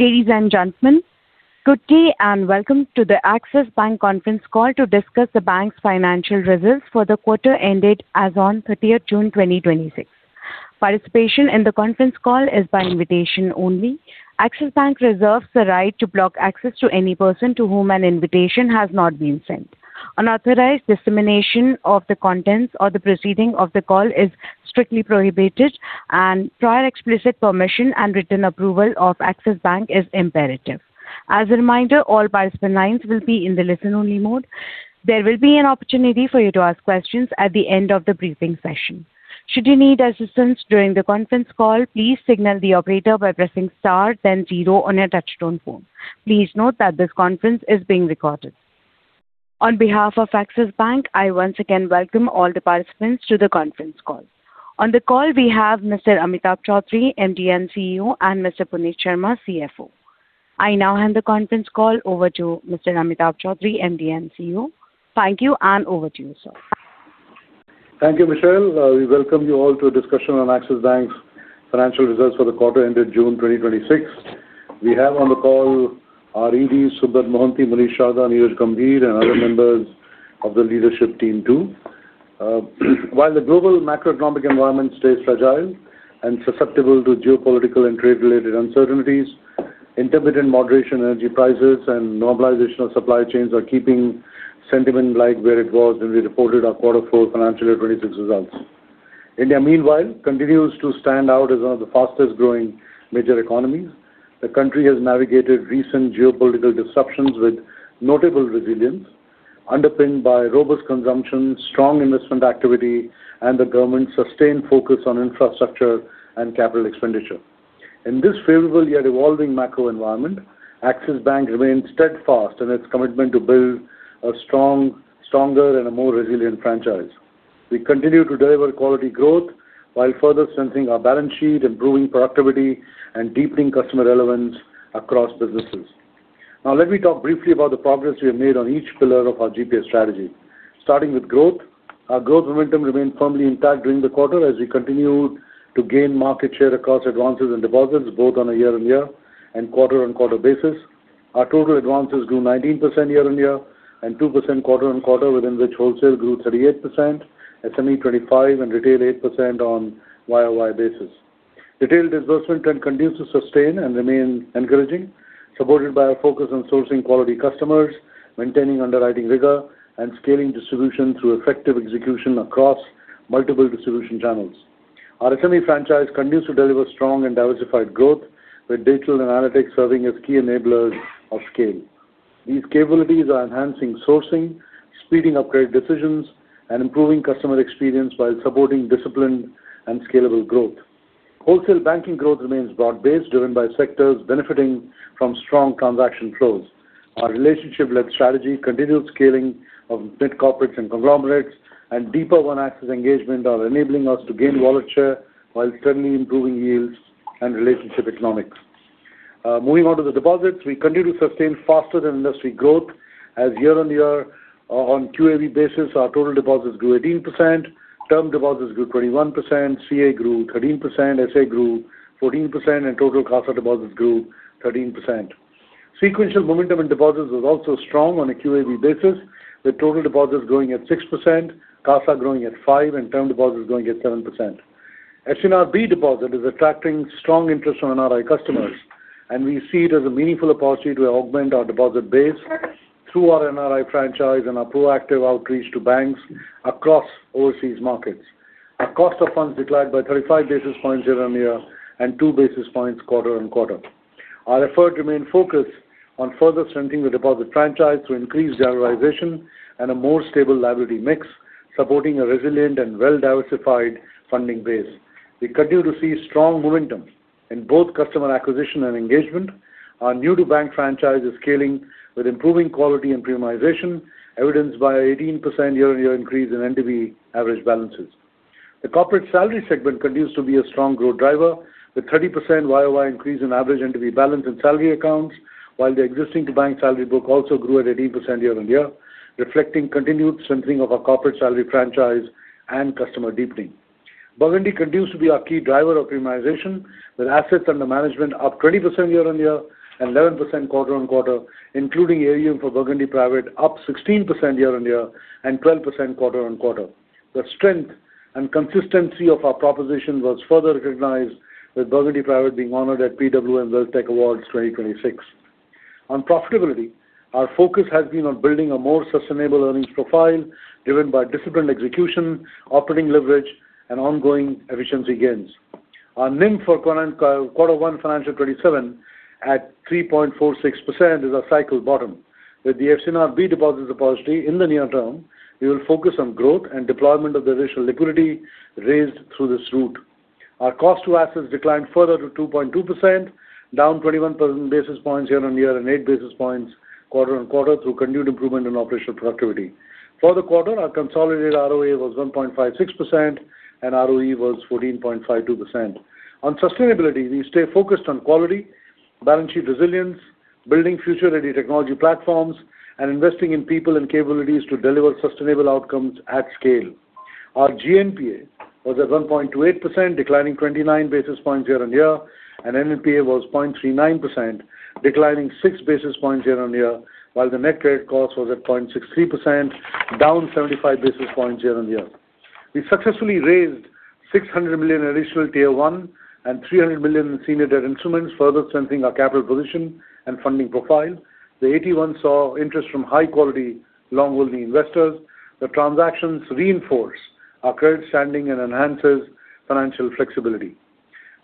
Ladies and gentlemen, good day and welcome to the Axis Bank conference call to discuss the bank's financial results for the quarter ended as on 30th June 2026. Participation in the conference call is by invitation only. Axis Bank reserves the right to block access to any person to whom an invitation has not been sent. Unauthorized dissemination of the contents or the proceeding of the call is strictly prohibited and prior explicit permission and written approval of Axis Bank is imperative. As a reminder, all participant lines will be in the listen-only mode. There will be an opportunity for you to ask questions at the end of the briefing session. Should you need assistance during the conference call, please signal the operator by pressing star then zero on your touch-tone phone. Please note that this conference is being recorded. On behalf of Axis Bank, I once again welcome all the participants to the conference call. On the call, we have Mr. Amitabh Chaudhry, MD and CEO, and Mr. Puneet Sharma, CFO. I now hand the conference call over to Mr. Amitabh Chaudhry, MD and CEO. Thank you, over to you, sir. Thank you, Michelle. We welcome you all to a discussion on Axis Bank's financial results for the quarter ended June 2026. We have on the call our EDs, Subrat Mohanty, Munish Sharda, Neeraj Gambhir, and other members of the leadership team, too. While the global macroeconomic environment stays fragile and susceptible to geopolitical and trade-related uncertainties, intermittent moderation in energy prices and normalization of supply chains are keeping sentiment like where it was when we reported our quarter four FY 2026 results. India, meanwhile, continues to stand out as one of the fastest-growing major economies. The country has navigated recent geopolitical disruptions with notable resilience, underpinned by robust consumption, strong investment activity, and the government's sustained focus on infrastructure and capital expenditure. In this favorable yet evolving macro environment, Axis Bank remains steadfast in its commitment to build a stronger and a more resilient franchise. We continue to deliver quality growth while further [inaudible] our balance sheet and brewing productivity and deepening customer relevance across. [inaudible] Let me talk briefly about the progress we have made on each pillar of our GPS strategy. Starting with growth, our growth momentum remained firmly intact during the quarter as we continued to gain market share across advances and deposits, both on a year-on-year and quarter-on-quarter basis. Our total advances grew 19% year-on-year and 2% quarter-on-quarter, within which wholesale grew 38%, SME 25%, and retail 8% on YoY basis. Retail disbursement trend continues to sustain and remain encouraging, supported by our focus on sourcing quality customers, maintaining underwriting rigor, and scaling distribution through effective execution across multiple distribution channels. Our SME franchise continues to deliver strong and diversified growth, with digital and analytics serving as key enablers of scale. These capabilities are enhancing sourcing, speeding up credit decisions, and improving customer experience while supporting disciplined and scalable growth. Wholesale banking growth remains broad-based, driven by sectors benefiting from strong transaction flows. Our relationship-led strategy, continued scaling of mid corporates and conglomerates, and deeper One Axis engagement are enabling us to gain wallet share while steadily improving yields and relationship economics. Moving on to the deposits, we continue to sustain faster than industry growth as year-on-year on QAB basis, our total deposits grew 18%, term deposits grew 21%, CA grew 13%, SA grew 14%, and total CASA deposits grew 13%. Sequential momentum in deposits was also strong on a QAB basis, with total deposits growing at 6%, CASA growing at 5%, and term deposits growing at 7%. FCNR deposit is attracting strong interest from NRI customers, and we see it as a meaningful opportunity to augment our deposit base through our NRI franchise and our proactive outreach to banks across overseas markets. Our cost of funds declined by 35 basis points year-on-year and two basis points quarter-on-quarter. Our effort remains focused on further strengthening the deposit franchise through increased generalization and a more stable liability mix, supporting a resilient and well-diversified funding base. We continue to see strong momentum in both customer acquisition and engagement. Our new-to-bank franchise is scaling with improving quality and premiumization, evidenced by an 18% year-on-year increase in NDV average balances. The corporate salary segment continues to be a strong growth driver, with 30% YoY increase in average NDV balance in salary accounts, while the existing to bank salary book also grew at 18% year-on-year, reflecting continued strengthening of our corporate salary franchise and customer deepening. Burgundy continues to be our key driver of premiumization with assets under management up 20% year-on-year and 11% quarter-on-quarter, including AUM for Burgundy Private up 16% year-on-year and 12% quarter-on-quarter. The strength and consistency of our proposition was further recognized with Burgundy Private being honored at PWM WealthTech Awards 2026. On profitability, our focus has been on building a more sustainable earnings profile driven by disciplined execution, operating leverage, and ongoing efficiency gains. Our NIM for quarter one Financial 27 at 3.46% is our cycle bottom. With the FCNR deposit repository in the near term, we will focus on growth and deployment of the additional liquidity raised through this route. Our cost to assets declined further to 2.2%, down 21 basis points year-on-year and eight basis points quarter-on-quarter through continued improvement in operational productivity. For the quarter, our consolidated ROA was 1.56% and ROE was 14.52%. On sustainability, we stay focused on quality, balance sheet resilience, building future-ready technology platforms, and investing in people and capabilities to deliver sustainable outcomes at scale. Our GNPA was at 1.28%, declining 29 basis points year-on-year, and NPPA was 0.39%, declining 6 basis points year-on-year, while the net credit cost was at 0.63%, down 75 basis points year-on-year. We successfully raised 600 million additional Tier 1 and 300 million in senior debt instruments, further strengthening our capital position and funding profile. The AT1 saw interest from high-quality, long-holding investors. The transactions reinforce our credit standing and enhances financial flexibility.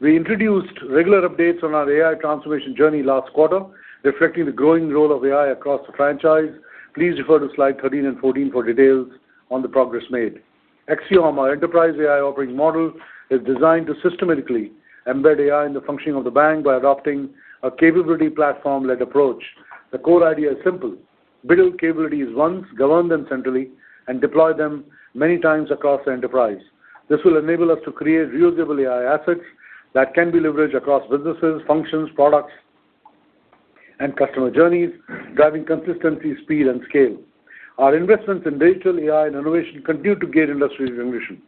We introduced regular updates on our AI transformation journey last quarter, reflecting the growing role of AI across the franchise. Please refer to slide 13 and 14 for details on the progress made. AXIOM, our enterprise AI operating model, is designed to systematically embed AI in the functioning of the bank by adopting a capability platform-led approach. The core idea is simple: build capabilities once, govern them centrally, and deploy them many times across the enterprise. This will enable us to create reusable AI assets that can be leveraged across businesses, functions, products, and customer journeys, driving consistency, speed, scale. Our investments in digital AI and innovation continue to gain industry recognition.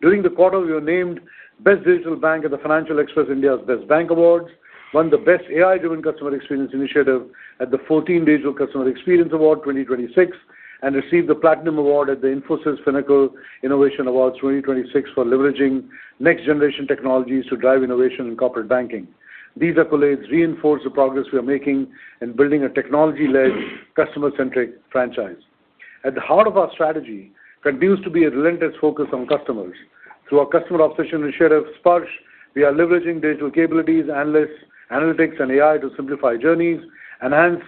During the quarter, we were named Best Digital Bank at the Financial Express India's Best Bank Awards, won the Best AI-Driven Customer Experience Initiative at the 14 Digital Customer Experience Award 2026, and received the Platinum Award at the Infosys Finacle Innovation Awards 2026 for leveraging next-generation technologies to drive innovation in corporate banking. These accolades reinforce the progress we are making in building a technology-led, customer-centric franchise. At the heart of our strategy continues to be a relentless focus on customers. Through our customer obsession initiative, Sparsh, we are leveraging digital capabilities, analytics and AI to simplify journeys, enhance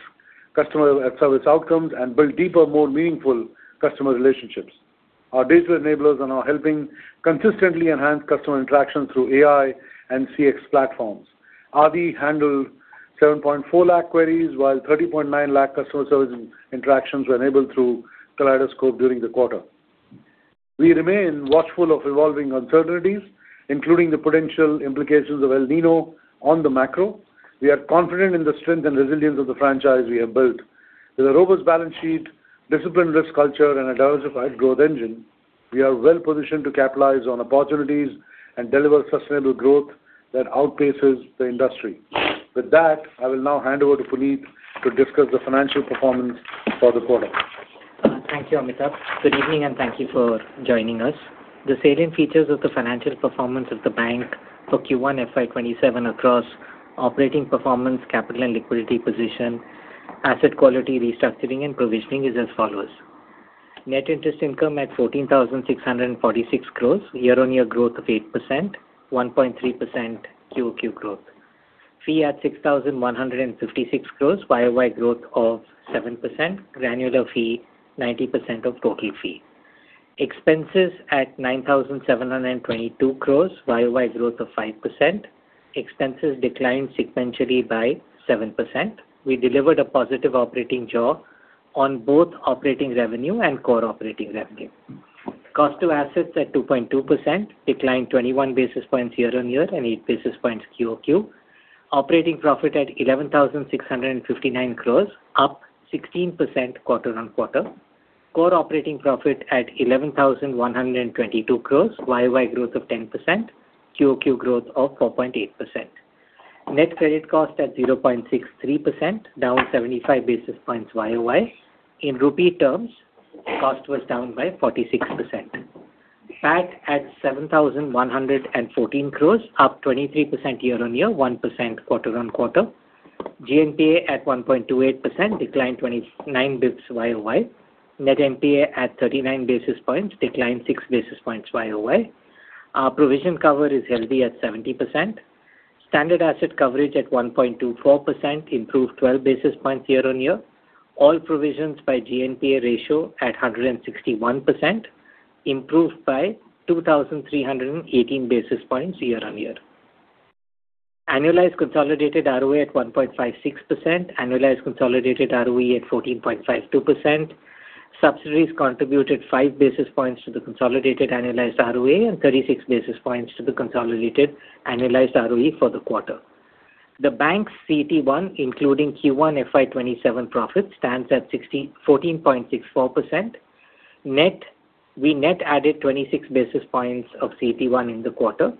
customer service outcomes, and build deeper, more meaningful customer relationships. Our digital enablers are now helping consistently enhance customer interactions through AI and CX platforms. ADI handled 7.4 lakh queries while 30.9 lakh customer service interactions were enabled through Kaleidoscope during the quarter. We remain watchful of evolving uncertainties, including the potential implications of El Niño on the macro. We are confident in the strength and resilience of the franchise we have built. With a robust balance sheet, disciplined risk culture, and a diversified growth engine, we are well positioned to capitalize on opportunities and deliver sustainable growth that outpaces the industry. With that, I will now hand over to Puneet to discuss the financial performance for the quarter. Thank you, Amitabh. Good evening and thank you for joining us. The salient features of the financial performance of the bank for Q1 FY 2027 across operating performance, capital and liquidity position, asset quality restructuring and provisioning is as follows. Net interest income at 14,646 crore, year-on-year growth of 8%, 1.3% QoQ growth. Fee at 6,156 crore, YoY growth of 7%, granular fee 50% of total fee. Expenses at 9,722 crore, YoY growth of 5%. Expenses declined sequentially by 7%. We delivered a positive operating jaw on both operating revenue and core operating revenue. Cost to assets at 2.2%, declined 21 basis points year-on-year and eight basis points QoQ. Operating profit at 11,659 crore, up 16% quarter-on-quarter. Core operating profit at 11,122 crore, YoY growth of 10%, QoQ growth of 4.8%. Net credit cost at 0.63%, down 75 basis points YoY. In INR terms, cost was down by 46%. PAT at 7,114 crores, up 23% year-on-year, 1% quarter-on-quarter. GNPA at 1.28%, declined 29 basis points YoY. Net NPA at 39 basis points, declined 6 basis points YoY. Our provision cover is healthy at 70%. Standard asset coverage at 1.24%, improved 12 basis points year-on-year. All provisions by GNPA ratio at 161%, improved by 2,318 basis points year-on-year. Annualized consolidated ROA at 1.56%. Annualized consolidated ROE at 14.52%. Subsidies contributed 5 basis points to the consolidated annualized ROA and 36 basis points to the consolidated annualized ROE for the quarter. The Bank's CET1, including Q1 FY 2027 profit, stands at 14.64%. We net added 26 basis points of CET1 in the quarter.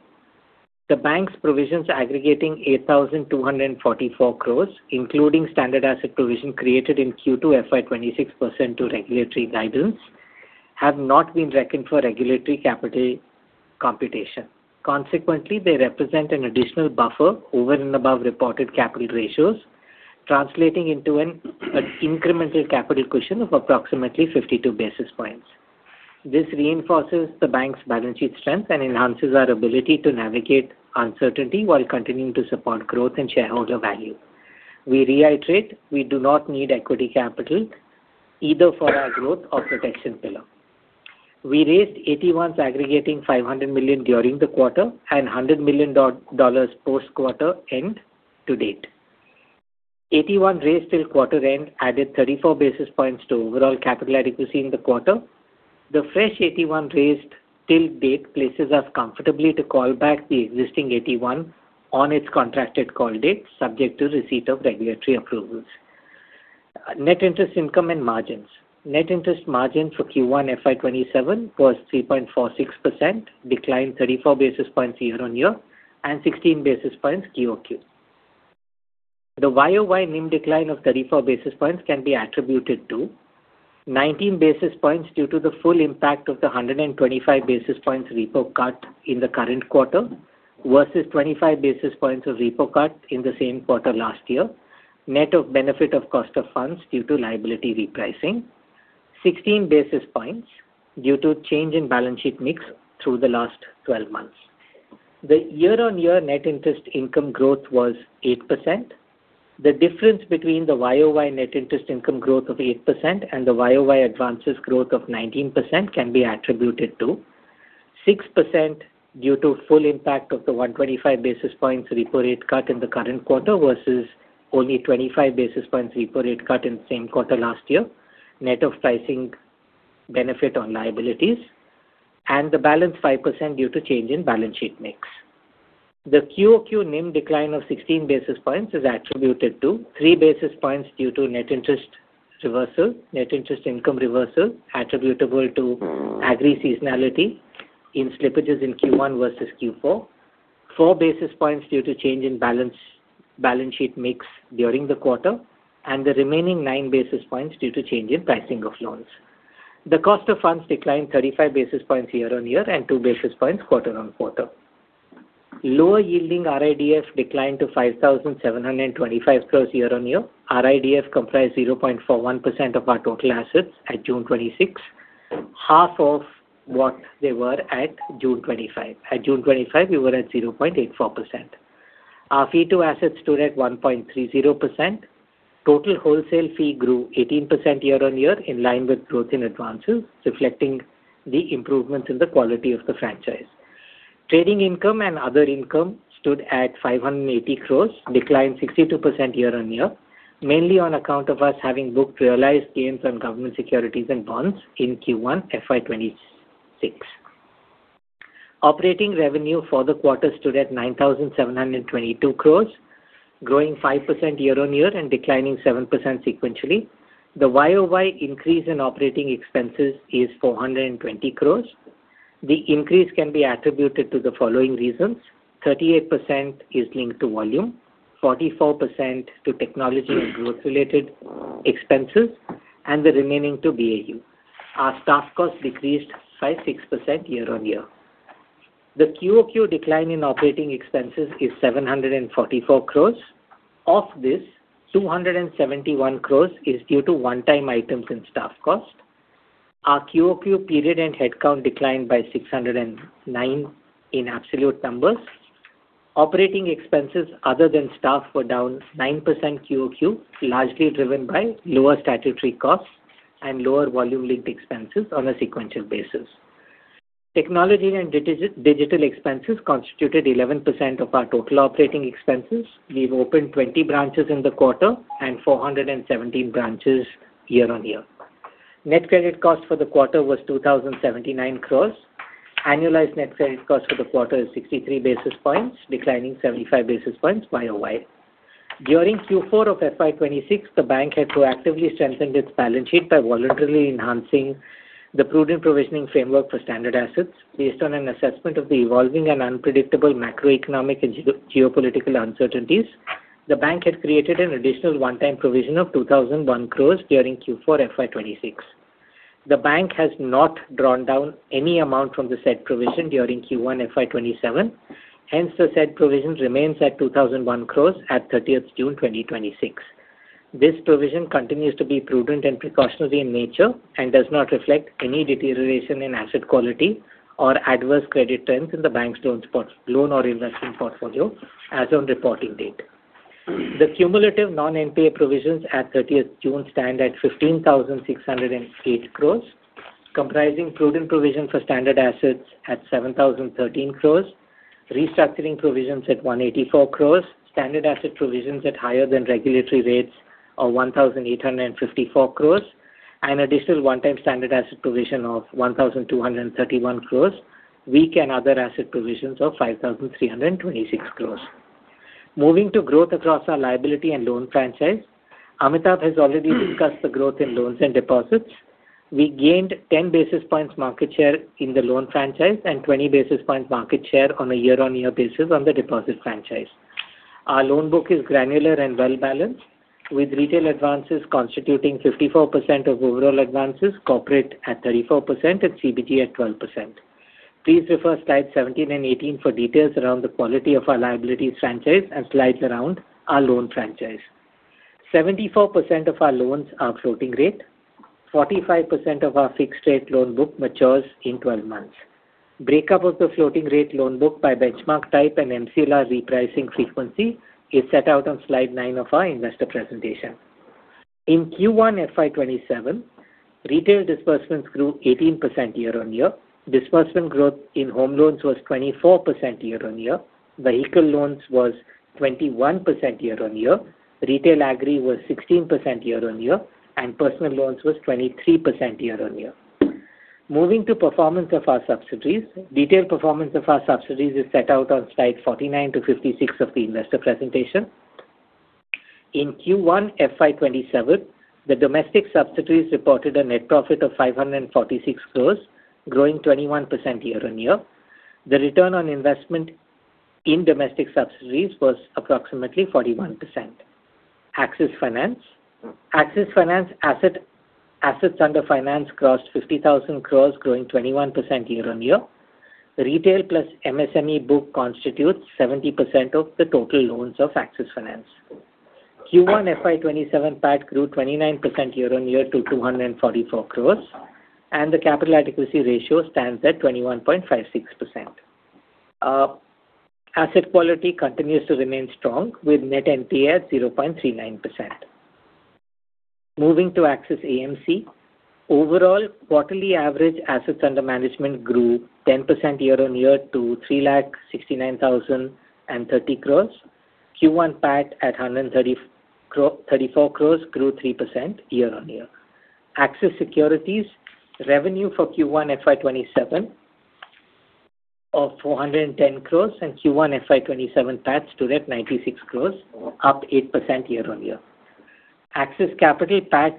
The Bank's provisions aggregating 8,244 crores, including standard asset provision created in Q2 FY 2026 to regulatory guidance, have not been reckoned for regulatory capital computation. Consequently, they represent an additional buffer over and above reported capital ratios, translating into an incremental capital cushion of approximately 52 basis points. This reinforces the Bank's balance sheet strength and enhances our ability to navigate uncertainty while continuing to support growth and shareholder value. We reiterate, we do not need equity capital either for our growth or protection pillar. We raised AT1s aggregating $500 million during the quarter and $100 million post-quarter end to date. AT1 raise till quarter end added 34 basis points to overall capital adequacy in the quarter. The fresh AT1 raised till date places us comfortably to call back the existing AT1 on its contracted call date, subject to receipt of regulatory approvals. Net interest income and margins. Net interest margin for Q1 FY 2027 was 3.46%, declined 34 basis points year-on-year and 16 basis points QoQ. The YoY NIM decline of 34 basis points can be attributed to 19 basis points due to the full impact of the 125 basis points repo cut in the current quarter versus 25 basis points of repo cut in the same quarter last year, net of benefit of cost of funds due to liability repricing. 16 basis points due to change in balance sheet mix through the last 12 months. The year-on-year net interest income growth was 8%. The difference between the YoY net interest income growth of 8% and the YoY advances growth of 19% can be attributed to 6% due to full impact of the 125 basis points repo rate cut in the current quarter versus only 25 basis points repo rate cut in the same quarter last year, net of pricing benefit on liabilities, and the balance 5% due to change in balance sheet mix. The QoQ NIM decline of 16 basis points is attributed to 3 basis points due to net interest income reversal attributable to agri-seasonality in slippages in Q1 versus Q4. Four basis points due to change in balance sheet mix during the quarter, and the remaining 9 basis points due to change in pricing of loans. The cost of funds declined 35 basis points year-on-year and 2 basis points quarter-on-quarter. Lower yielding RIDF declined to 5,725 crores year-on-year. RIDF comprised 0.41% of our total assets at June 2026, half of what they were at June 2025. At June 2025, we were at 0.84%. Our fee to assets stood at 1.30%. Total wholesale fee grew 18% year-on-year in line with growth in advances, reflecting the improvements in the quality of the franchise. Trading income and other income stood at 580 crore, declined 62% year-on-year, mainly on account of us having booked realized gains on government securities and bonds in Q1 FY 2026. Operating revenue for the quarter stood at 9,722 crore, growing 5% year-on-year and declining 7% sequentially. The YoY increase in operating expenses is 420 crore. The increase can be attributed to the following reasons. 38% is linked to volume, 44% to technology and growth-related expenses, and the remaining to BAU. Our staff costs decreased by 6% year-on-year. The QoQ decline in operating expenses is 744 crore. Of this, 271 crore is due to one-time items in staff cost. Our QoQ period and head count declined by 609 in absolute numbers. Operating expenses other than staff were down 9% QoQ, largely driven by lower statutory costs and lower volume-linked expenses on a sequential basis. Technology and digital expenses constituted 11% of our total operating expenses. We've opened 20 branches in the quarter and 417 branches year-on-year. Net credit cost for the quarter was 2,079 crore. Annualized net credit cost for the quarter is 63 basis points, declining 75 basis points YoY. During Q4 of FY 2026, the bank had proactively strengthened its balance sheet by voluntarily enhancing the prudent provisioning framework for standard assets based on an assessment of the evolving and unpredictable macroeconomic and geopolitical uncertainties. The bank had created an additional one-time provision of 2,001 crore during Q4 FY 2026. The bank has not drawn down any amount from the said provision during Q1 FY 2027. Hence, the said provision remains at 2,001 crore at 30th June 2026. This provision continues to be prudent and precautionary in nature and does not reflect any deterioration in asset quality or adverse credit trends in the bank's loan or investment portfolio as on reporting date. The cumulative non-NNPA provisions at 30th June stand at 15,608 crore, comprising prudent provision for standard assets at 7,013 crore, restructuring provisions at 184 crore, standard asset provisions at higher than regulatory rates of 1,854 crore, an additional one-time standard asset provision of 1,231 crore, weak and other asset provisions of 5,326 crore. Moving to growth across our liability and loan franchise. Amitabh has already discussed the growth in loans and deposits. We gained 10 basis points market share in the loan franchise and 20 basis points market share on a year-on-year basis on the deposit franchise. Our loan book is granular and well-balanced, with retail advances constituting 54% of overall advances, corporate at 34%, and CBG at 12%. Please refer slides 17 and 18 for details around the quality of our liabilities franchise and slides around our loan franchise. 74% of our loans are floating rate. 45% of our fixed rate loan book matures in 12 months. Breakup of the floating rate loan book by benchmark type and MCLR repricing frequency is set out on slide nine of our investor presentation. In Q1 FY 2027, retail disbursements grew 18% year-on-year. Disbursement growth in home loans was 24% year-on-year, vehicle loans was 21% year-on-year, retail agri was 16% year-on-year, and personal loans was 23% year-on-year. Moving to performance of our subsidiaries. Detailed performance of our subsidiaries is set out on slide 49 to 56 of the investor presentation. In Q1 FY 2027, the domestic subsidiaries reported a net profit of 546 crores, growing 21% year-on-year. The return on investment in domestic subsidiaries was approximately 41%. Axis Finance. Axis Finance assets under finance crossed 50,000 crores, growing 21% year-on-year. Retail plus MSME book constitutes 70% of the total loans of Axis Finance. Q1 FY 2027 PAT grew 29% year-on-year to 244 crores, and the capital adequacy ratio stands at 21.56%. Asset quality continues to remain strong with net NPL 0.39%. Moving to Axis AMC. Overall, quarterly average assets under management grew 10% year-on-year to 3,69,030 crores. Q1 PAT at 134 crores grew 3% year-on-year. Axis Securities revenue for Q1 FY 2027 of INR 410 crores and Q1 FY 2027 PAT stood at INR 96 crores, up 8% year-on-year. Axis Capital PAT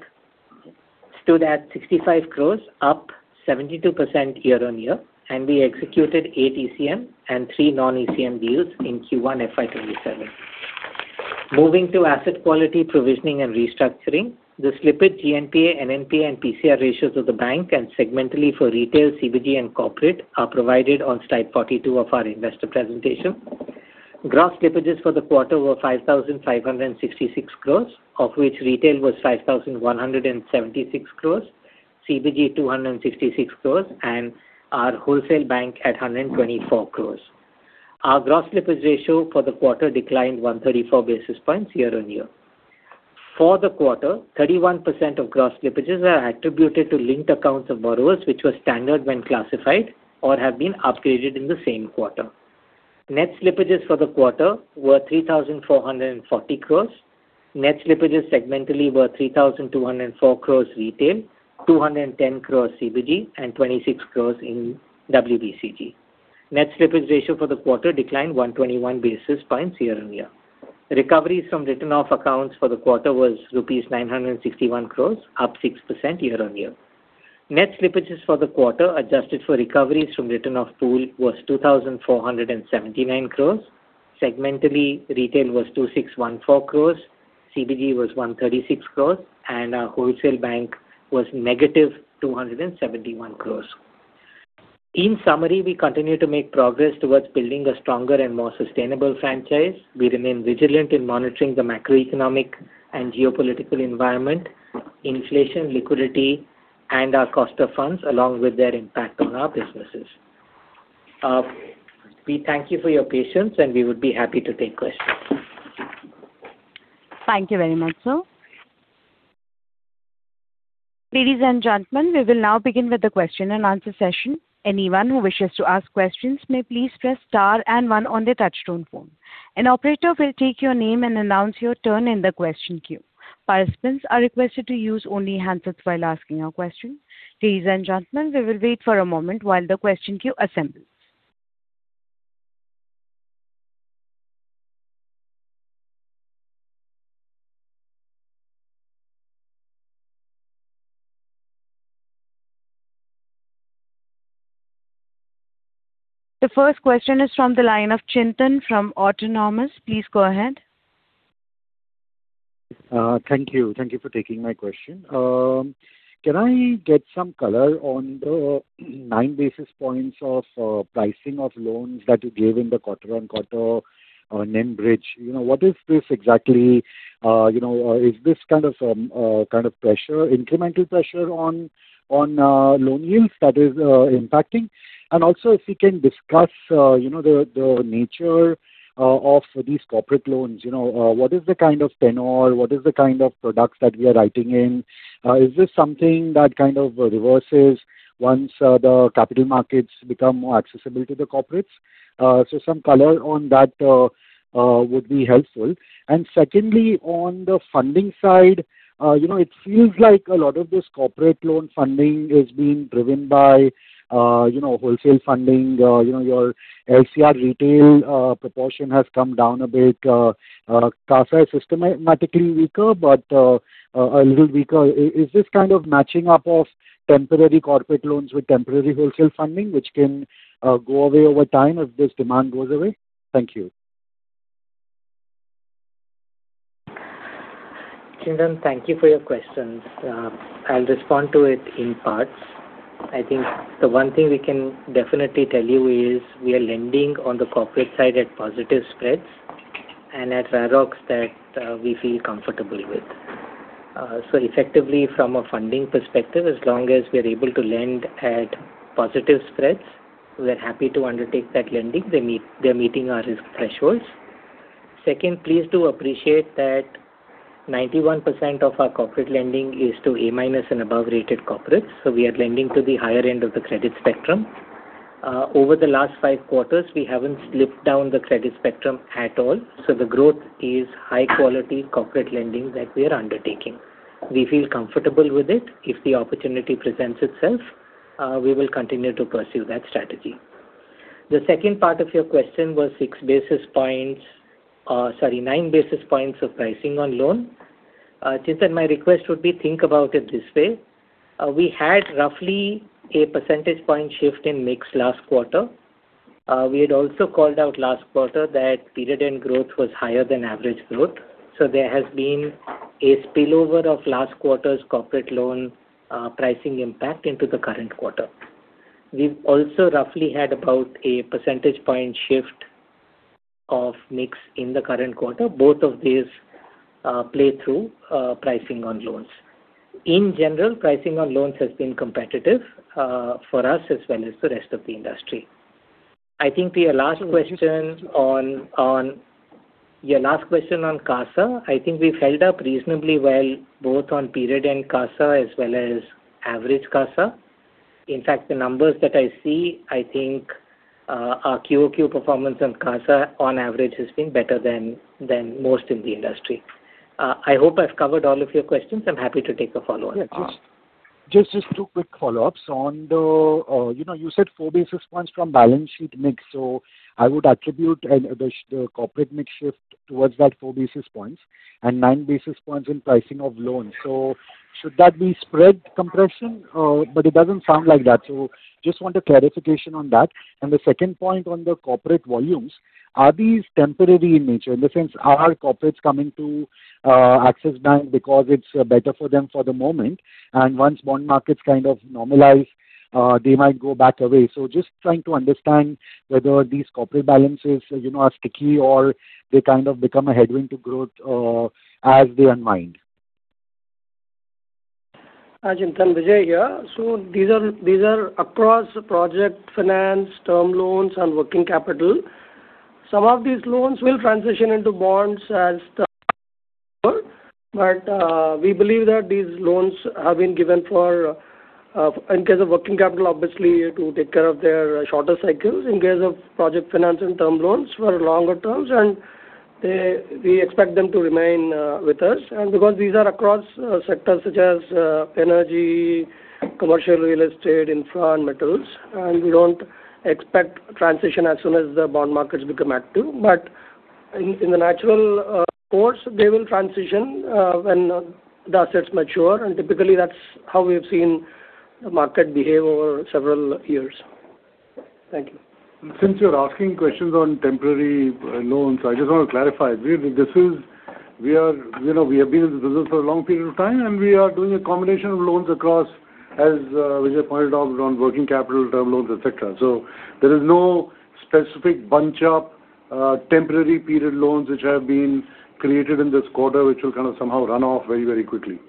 stood at 65 crores, up 72% year-on-year. We executed eight ECM and three non-ECM deals in Q1 FY 2027. Moving to asset quality provisioning and restructuring. The slippage GNPA, NNPA, and PCR ratios of the bank and segmentally for retail, CBG, and corporate are provided on slide 42 of our investor presentation. Gross slippages for the quarter were 5,566 crores, of which retail was 5,176 crores, CBG 266 crores, and our wholesale bank at 124 crores. Our gross slippage ratio for the quarter declined 134 basis points year-on-year. For the quarter, 31% of gross slippages are attributed to linked accounts of borrowers, which were standard when classified or have been upgraded in the same quarter. Net slippages for the quarter were 3,440 crores. Net slippages segmentally were 3,204 crores retail, 210 crores CBG, and 26 crores in WBCG. Net slippage ratio for the quarter declined 121 basis points year-on-year. Recoveries from written-off accounts for the quarter was rupees 961 crores, up 6% year-on-year. Net slippages for the quarter, adjusted for recoveries from written-off pool was 2,479 crores. Segmentally, retail was 2,614 crores, CBG was 136 crores, and our wholesale bank was -271 crores. In summary, we continue to make progress towards building a stronger and more sustainable franchise. We remain vigilant in monitoring the macroeconomic and geopolitical environment, inflation, liquidity, and our cost of funds, along with their impact on our businesses. We thank you for your patience, and we would be happy to take questions. Thank you very much, sir. Ladies and gentlemen, we will now begin with the question-and-answer session. Anyone who wishes to ask questions may please press star and one on their touchtone phone. An operator will take your name and announce your turn in the question queue. Participants are requested to use only handsets while asking your question. Ladies and gentlemen, we will wait for a moment while the question queue assembles. The first question is from the line of Chintan from Autonomous. Please go ahead. Thank you. Thank you for taking my question. Can I get some color on the 9 basis points of pricing of loans that you gave in the quarter-on-quarter NIM bridge? What is this exactly? Is this kind of pressure, incremental pressure on loan yields that is impacting? Also if you can discuss the nature of these corporate loans. What is the kind of tenor? What is the kind of products that we are writing in? Is this something that kind of reverses once the capital markets become more accessible to the corporates? Some color on that would be helpful. Secondly, on the funding side, it feels like a lot of this corporate loan funding is being driven by wholesale funding. Your LCR retail proportion has come down a bit. CASA is systematically weaker, but a little weaker. Is this kind of matching up of temporary corporate loans with temporary wholesale funding, which can go away over time if this demand goes away? Thank you. Chintan, thank you for your questions. I'll respond to it in parts. The one thing we can definitely tell you is we are lending on the corporate side at positive spreads and at ROEs that we feel comfortable with. Effectively, from a funding perspective, as long as we are able to lend at positive spreads, we're happy to undertake that lending. They're meeting our risk thresholds. Second, please do appreciate that 91% of our corporate lending is to A-minus and above-rated corporates. We are lending to the higher end of the credit spectrum. Over the last five quarters, we haven't slipped down the credit spectrum at all. The growth is high-quality corporate lending that we are undertaking. We feel comfortable with it. If the opportunity presents itself, we will continue to pursue that strategy. The second part of your question was 6 basis points, sorry, 9 basis points of pricing on loan. Chintan, my request would be think about it this way. We had roughly a percentage point shift in mix last quarter. We had also called out last quarter that period-end growth was higher than average growth. There has been a spillover of last quarter's corporate loan pricing impact into the current quarter. We've also roughly had about a percentage point shift of mix in the current quarter. Both of these play through pricing on loans. In general, pricing on loans has been competitive for us as well as the rest of the industry. Your last question on CASA, we've held up reasonably well both on period end CASA as well as average CASA. In fact, the numbers that I see, I think our QoQ performance on CASA on average has been better than most in the industry. I hope I've covered all of your questions. I'm happy to take a follow-on. Yeah. Just two quick follow-ups. You said 4 basis points from balance sheet mix, I would attribute the corporate mix shift towards that 4 basis points and 9 basis points in pricing of loans. Should that be spread compression? It doesn't sound like that. Just want a clarification on that. The second point on the corporate volumes, are these temporary in nature? In the sense, are corporates coming to Axis Bank because it's better for them for the moment, and once bond markets kind of normalize, they might go back away. Just trying to understand whether these corporate balances are sticky or they kind of become a headwind to growth as they unwind. Hi, Chintan. Vijay here. These are across project finance, term loans, and working capital. Some of these loans will transition into bonds, but we believe that these loans have been given for, in case of working capital, obviously to take care of their shorter cycles. In case of project finance and term loans for longer terms, we expect them to remain with us. Because these are across sectors such as energy, commercial real estate, infra, and metals, we don't expect transition as soon as the bond markets become active. In the natural course, they will transition when the assets mature and typically that's how we have seen the market behave over several years. Thank you. Since you're asking questions on temporary loans, I just want to clarify. We have been in this business for a long period of time, and we are doing a combination of loans across, as Vijay pointed out, around working capital, term loans, et cetera. There is no specific bunch up temporary period loans, which have been created in this quarter, which will kind of somehow run off very quickly.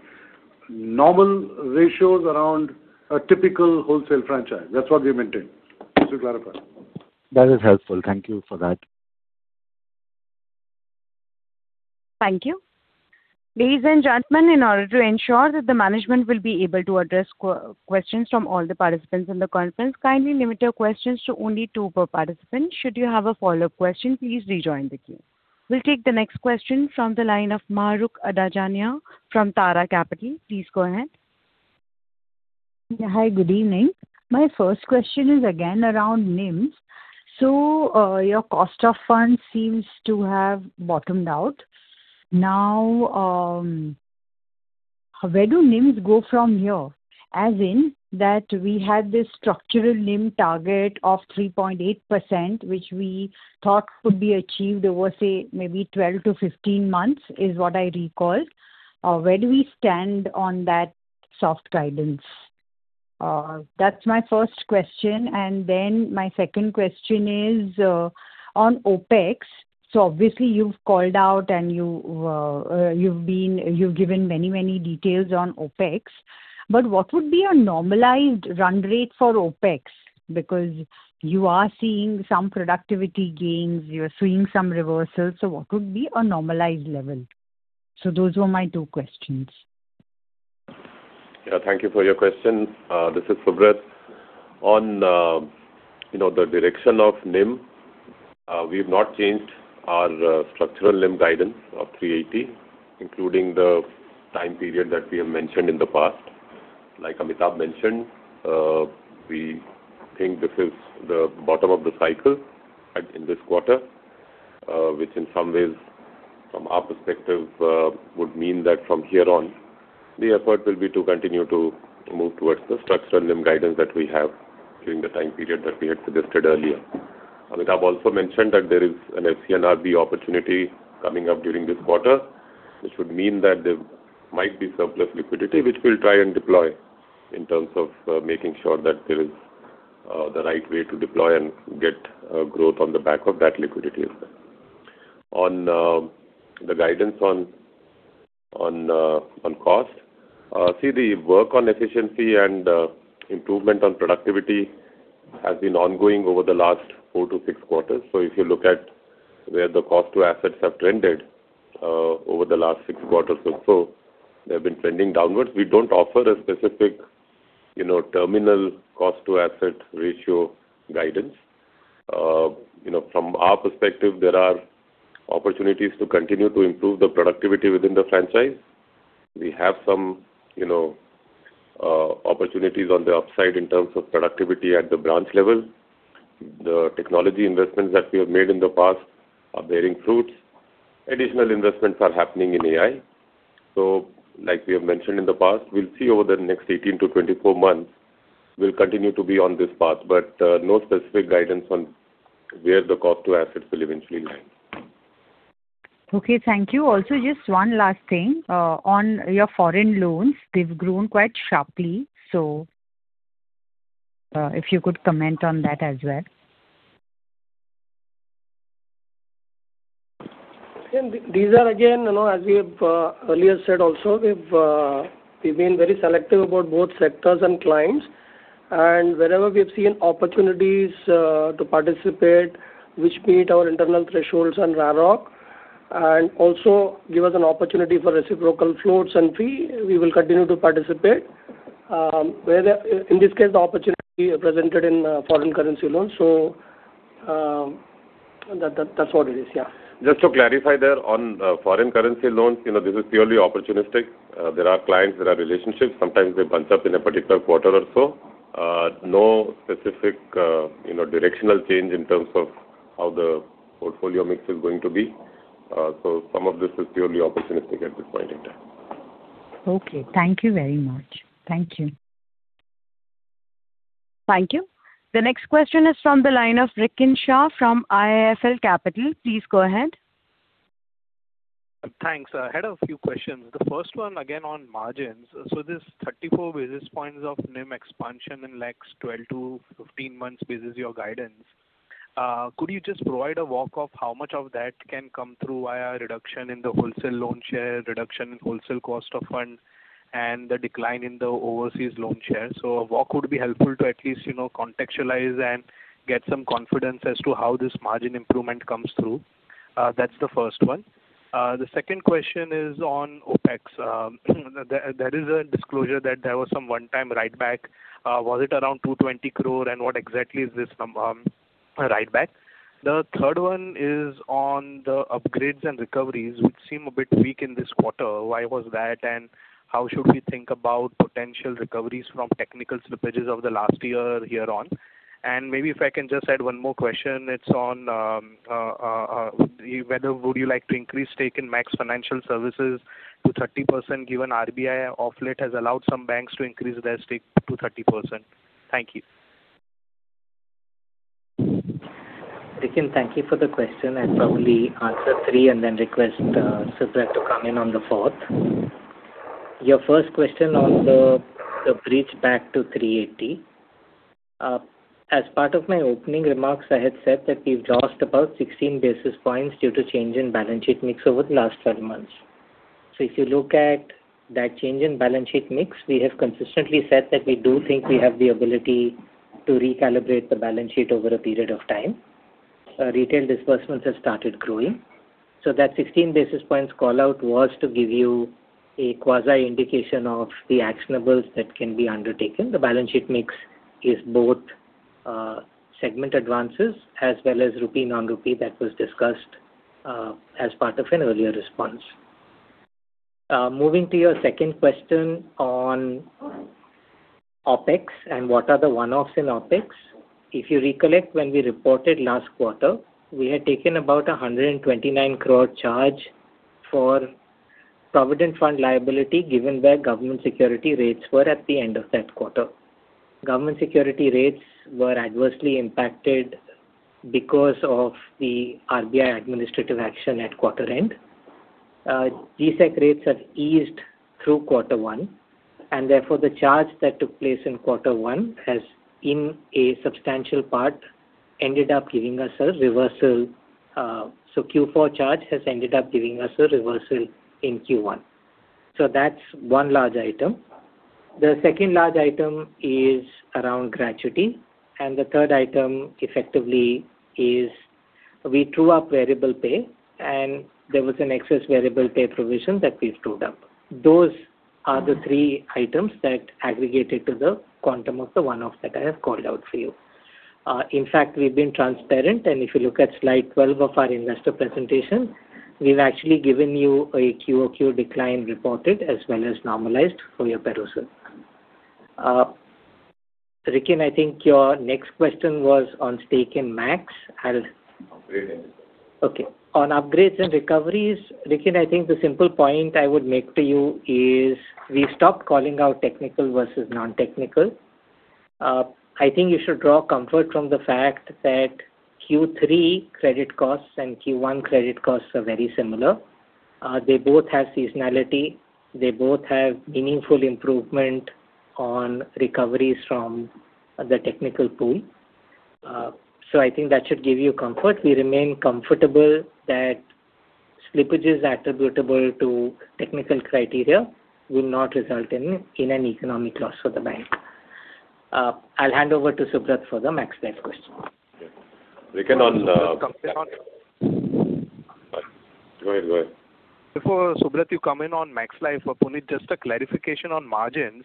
Normal ratios around a typical wholesale franchise. That's what we maintain. Just to clarify. That is helpful. Thank you for that. Thank you. Ladies and gentlemen, in order to ensure that the management will be able to address questions from all the participants in the conference, kindly limit your questions to only two per participant. Should you have a follow-up question, please rejoin the queue. We will take the next question from the line of Mahrukh Adajania from Tara Capital. Please go ahead. Hi, good evening. My first question is again around NIMs. Your cost of funds seems to have bottomed out. Where do NIMs go from here? As in that we had this structural NIM target of 3.8%, which we thought could be achieved over, say, maybe 12-15 months is what I recall. Where do we stand on that soft guidance? That is my first question. My second question is on OpEx. Obviously, you have called out and you have given many details on OpEx, but what would be a normalized run rate for OpEx? Because you are seeing some productivity gains, you are seeing some reversals, what would be a normalized level? Those were my two questions. Yeah, thank you for your question. This is Subrat. On the direction of NIM, we have not changed our structural NIM guidance of 380 including the time period that we have mentioned in the past. Like Amitabh mentioned, we think this is the bottom of the cycle in this quarter, which in some ways from our perspective would mean that from here on, the effort will be to continue to move towards the structural NIM guidance that we have during the time period that we had suggested earlier. Amitabh also mentioned that there is an FCNR (B) opportunity coming up during this quarter. This would mean that there might be surplus liquidity, which we will try and deploy in terms of making sure that there is the right way to deploy and get growth on the back of that liquidity. On the guidance on cost. See the work on efficiency and improvement on productivity has been ongoing over the last four to six quarters. If you look at where the cost to assets have trended over the last six quarters or so, they've been trending downwards. We don't offer a specific terminal cost-to-asset ratio guidance. From our perspective, there are opportunities to continue to improve the productivity within the franchise. We have some opportunities on the upside in terms of productivity at the branch level. The technology investments that we have made in the past are bearing fruits. Additional investments are happening in AI. Like we have mentioned in the past, we'll see over the next 18-24 months, we'll continue to be on this path, but no specific guidance on where the cost to assets will eventually land. Okay, thank you. Also, just one last thing. On your foreign loans, they've grown quite sharply. If you could comment on that as well. These are again, as we have earlier said also, we've been very selective about both sectors and clients, and wherever we have seen opportunities to participate, which meet our internal thresholds and RAROC and also give us an opportunity for reciprocal floats and fee, we will continue to participate. In this case, the opportunity presented in foreign currency loans. That's what it is, yeah. Just to clarify there on foreign currency loans, this is purely opportunistic. There are clients, there are relationships. Sometimes they bunch up in a particular quarter or so. No specific directional change in terms of how the portfolio mix is going to be. Some of this is purely opportunistic at this point in time. Okay. Thank you very much. Thank you. Thank you. The next question is from the line of Rikin Shah from IIFL Capital. Please go ahead. Thanks. I had a few questions. The first one, again on margins. This 34 basis points of NIM expansion in next 12-15 months, this is your guidance. Could you just provide a walk of how much of that can come through via reduction in the wholesale loan share, reduction in wholesale cost of funds, and the decline in the overseas loan share? A walk would be helpful to at least contextualize and get some confidence as to how this margin improvement comes through. That's the first one. The second question is on OpEx. There is a disclosure that there was some one-time writeback. Was it around 220 crore and what exactly is this writeback? The third one is on the upgrades and recoveries, which seem a bit weak in this quarter. Why was that, and how should we think about potential recoveries from technical slippages over the last year here on? Maybe if I can just add one more question, it's on whether would you like to increase stake in Max Financial Services to 30%, given RBI off late has allowed some banks to increase their stake to 30%? Thank you. Rikin, thank you for the question. I'll probably answer three and then request Subrat to come in on the fourth. Your first question on the bridge back to 380. As part of my opening remarks, I had said that we've lost about 16 basis points due to change in balance sheet mix over the last 12 months. If you look at that change in balance sheet mix, we have consistently said that we do think we have the ability to recalibrate the balance sheet over a period of time. Retail disbursements have started growing. That 16 basis points call-out was to give you a quasi indication of the actionables that can be undertaken. The balance sheet mix is both segment advances as well as rupee, non-rupee that was discussed as part of an earlier response. Moving to your second question on OpEx and what are the one-offs in OpEx. If you recollect when we reported last quarter, we had taken about 129 crore charge for provident fund liability given where Government Security rates were at the end of that quarter. Government Security rates were adversely impacted because of the RBI administrative action at quarter end. G-Sec rates have eased through quarter one, and therefore the charge that took place in quarter one has, in a substantial part, ended up giving us a reversal. Q4 charge has ended up giving us a reversal in Q1. That's one large item. The second large item is around gratuity, and the third item effectively is we true up variable pay, and there was an excess variable pay provision that we've trued up. Those are the three items that aggregated to the quantum of the one-off that I have called out for you. In fact, we've been transparent, and if you look at slide 12 of our investor presentation, we've actually given you a QoQ decline reported as well as normalized for your perusal. Rikin, I think your next question was on stake in Max. Upgrades and recoveries. Okay. On upgrades and recoveries, Rikin, I think the simple point I would make to you is we've stopped calling out technical versus non-technical. I think you should draw comfort from the fact that Q3 credit costs and Q1 credit costs are very similar. They both have seasonality. They both have meaningful improvement on recoveries from the technical pool. I think that should give you comfort. We remain comfortable that slippages attributable to technical criteria will not result in an economic loss for the bank. I'll hand over to Subrat for the Max Life question. Rikin. Can I come in? Go ahead. Before, Subrat, you come in on Max Life, Puneet, just a clarification on margins.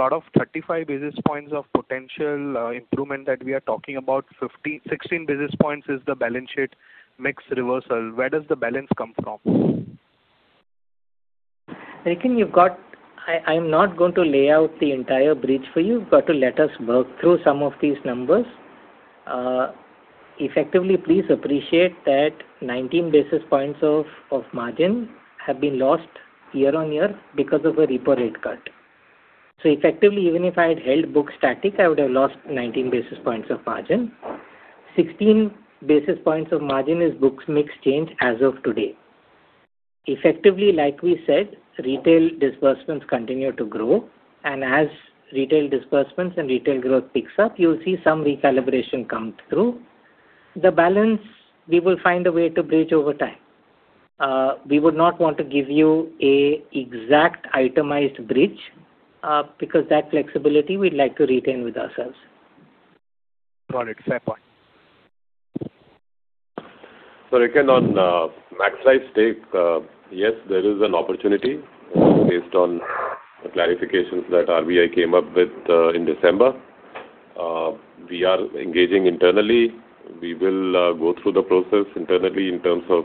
Out of 35 basis points of potential improvement that we are talking about, 16 basis points is the balance sheet mix reversal. Where does the balance come from? Rikin, I'm not going to lay out the entire bridge for you. You've got to let us work through some of these numbers. Effectively, please appreciate that 19 basis points of margin have been lost year-on-year because of a repo rate cut. Effectively, even if I had held books static, I would have lost 19 basis points of margin. 16 basis points of margin is books mix change as of today. Effectively, like we said, retail disbursements continue to grow, and as retail disbursements and retail growth picks up, you'll see some recalibration come through. The balance, we will find a way to bridge over time. We would not want to give you an exact itemized bridge because that flexibility we'd like to retain with ourselves. Got it. Fair point. Rikin, on Max Life stake, yes, there is an opportunity based on the clarifications that RBI came up with in December. We are engaging internally. We will go through the process internally in terms of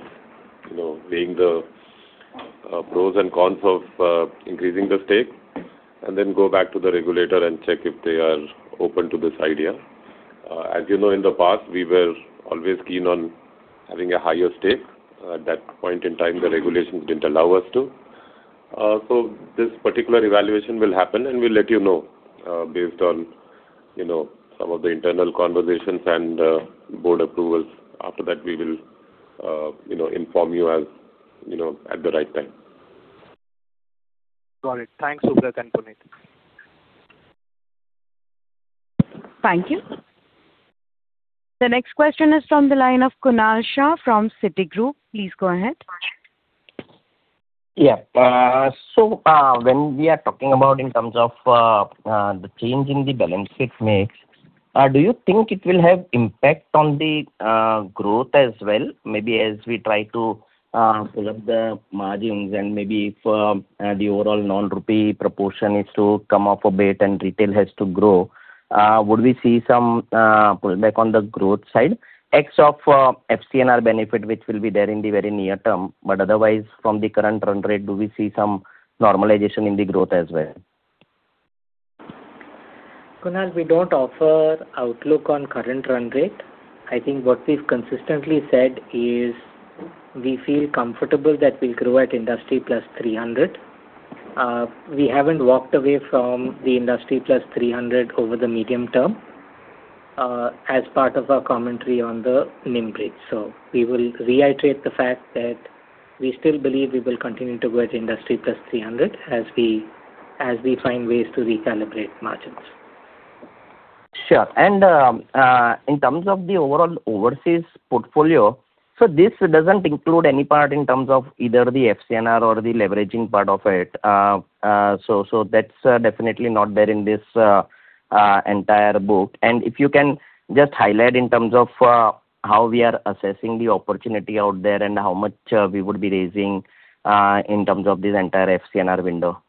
weighing the pros and cons of increasing the stake and then go back to the regulator and check if they are open to this idea. As you know, in the past, we were always keen on having a higher stake. At that point in time, the regulations didn't allow us to. This particular evaluation will happen, and we'll let you know based on some of the internal conversations and board approvals. After that, we will inform you at the right time. Got it. Thanks, Subrat and Puneet. Thank you. The next question is from the line of Kunal Shah from Citigroup. Please go ahead. When we are talking about in terms of the change in the balance sheet mix, do you think it will have impact on the growth as well, maybe as we try to pull up the margins and maybe if the overall non-rupee proportion is to come off a bit and retail has to grow, would we see some pullback on the growth side? X of FCNR benefit, which will be there in the very near term. Otherwise, from the current run rate, do we see some normalization in the growth as well? Kunal, we don't offer outlook on current run rate. I think what we've consistently said is we feel comfortable that we'll grow at industry +300. We haven't walked away from the industry +300 over the medium term as part of our commentary on the NIM bridge. We will reiterate the fact that we still believe we will continue to grow at industry +300, as we find ways to recalibrate margins. Sure. In terms of the overall overseas portfolio, this doesn't include any part in terms of either the FCNR or the leveraging part of it. That's definitely not there in this entire book. If you can just highlight in terms of how we are assessing the opportunity out there and how much we would be raising in terms of this entire FCNR window?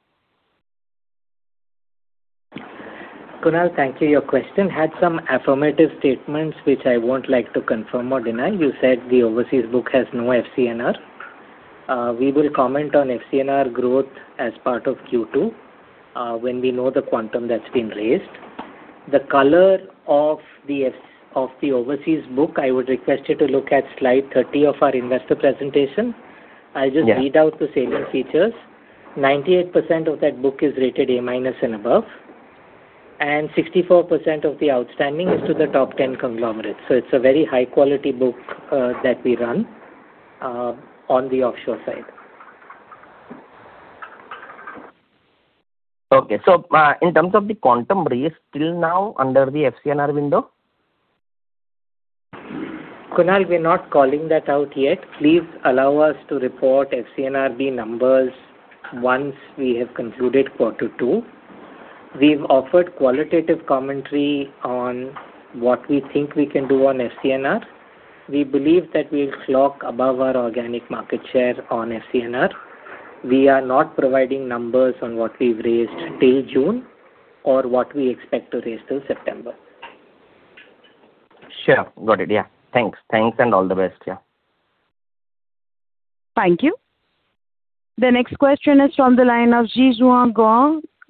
Kunal, thank you. Your question had some affirmative statements, which I won't like to confirm or deny. You said the overseas book has no FCNR. We will comment on FCNR growth as part of Q2 when we know the quantum that's been raised. The color of the overseas book, I would request you to look at slide 30 of our investor presentation. Yeah. I'll just read out the salient features. 98% of that book is rated A minus and above, 64% of the outstanding is to the top 10 conglomerates. It's a very high-quality book that we run on the offshore side. Okay. In terms of the quantum raised, still now under the FCNR window? Kunal, we're not calling that out yet. Please allow us to report FCNR (B) numbers once we have concluded quarter two. We've offered qualitative commentary on what we think we can do on FCNR. We believe that we'll clock above our organic market share on FCNR. We are not providing numbers on what we've raised till June or what we expect to raise till September. Sure. Got it. Thanks. All the best. Yeah. Thank you. The next question is from the line of Zhixuan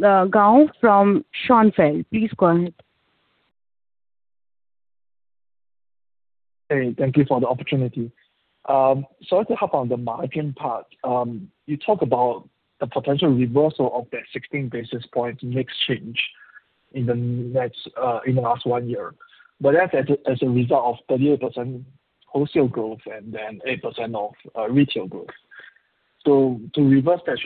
Gao from Schonfeld. Please go ahead. Hey, thank you for the opportunity. To hop on the margin part, you talk about the potential reversal of that 16 basis points mix change in the last one year. That's as a result of 38% wholesale growth and then 8% of retail growth. Right. To reverse that,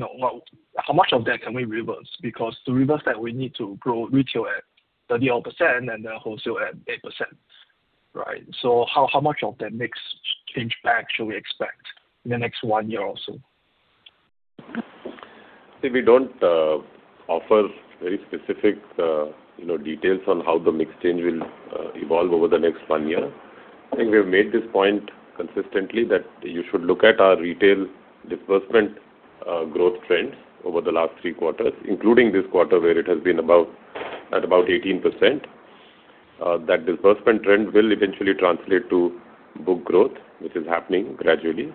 how much of that can we reverse? Because to reverse that, we need to grow retail at 38% and the wholesale at 8%. Right. How much of that mix change back should we expect in the next one year or so? We don't offer very specific details on how the mix change will evolve over the next one year. I think we have made this point consistently that you should look at our retail disbursement growth trends over the last three quarters, including this quarter, where it has been at about 18%. That disbursement trend will eventually translate to book growth, which is happening gradually.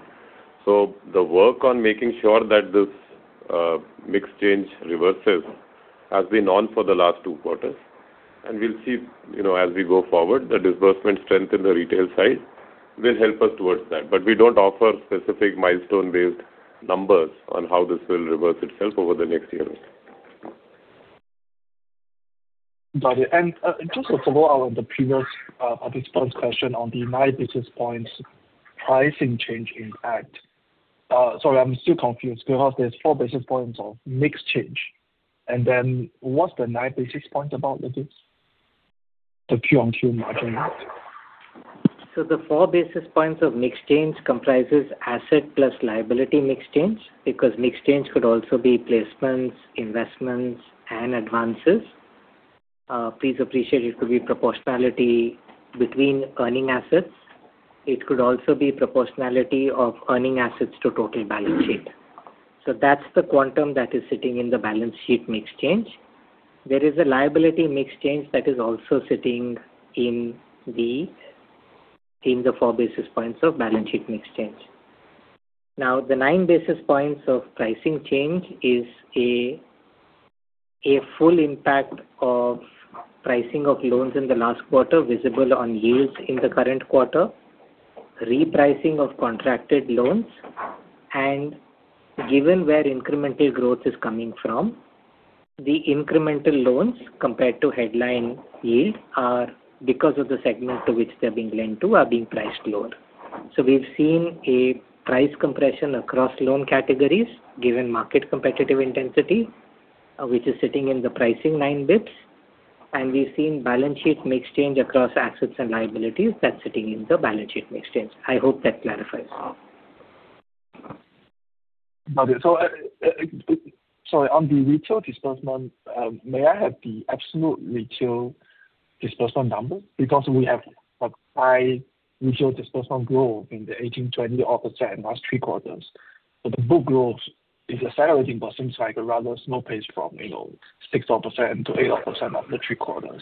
The work on making sure that this mix change reverses has been on for the last two quarters, and we'll see as we go forward, the disbursement strength in the retail side will help us towards that. We don't offer specific milestone-based numbers on how this will reverse itself over the next year. Got it. Just to follow up on the previous participant's question on the 9 basis points pricing change impact. Sorry, I'm still confused because there's 4 basis points of mix change, then what's the 9 basis points about? [inaudible] The Q on Q margin. The 4 basis points of mix change comprises asset plus liability mix change, because mix change could also be placements, investments, and advances. Please appreciate it could be proportionality between earning assets. It could also be proportionality of earning assets to total balance sheet. That's the quantum that is sitting in the balance sheet mix change. There is a liability mix change that is also sitting in the 4 basis points of balance sheet mix change. The 9 basis points of pricing change is a full impact of pricing of loans in the last quarter visible on yields in the current quarter, repricing of contracted loans, and given where incremental growth is coming from, the incremental loans compared to headline yield are because of the segment to which they're being lent to are being priced lower. We've seen a price compression across loan categories given market competitive intensity, which is sitting in the pricing 9 basis points, and we've seen balance sheet mix change across assets and liabilities that's sitting in the balance sheet mix change. I hope that clarifies. Got it. Sorry. On the retail disbursement, may I have the absolute retail disbursement number? We have high retail disbursement growth in the 18%-20% last three quarters. The book growth is accelerating, but seems like a rather slow pace from 16%-8% of the three quarters.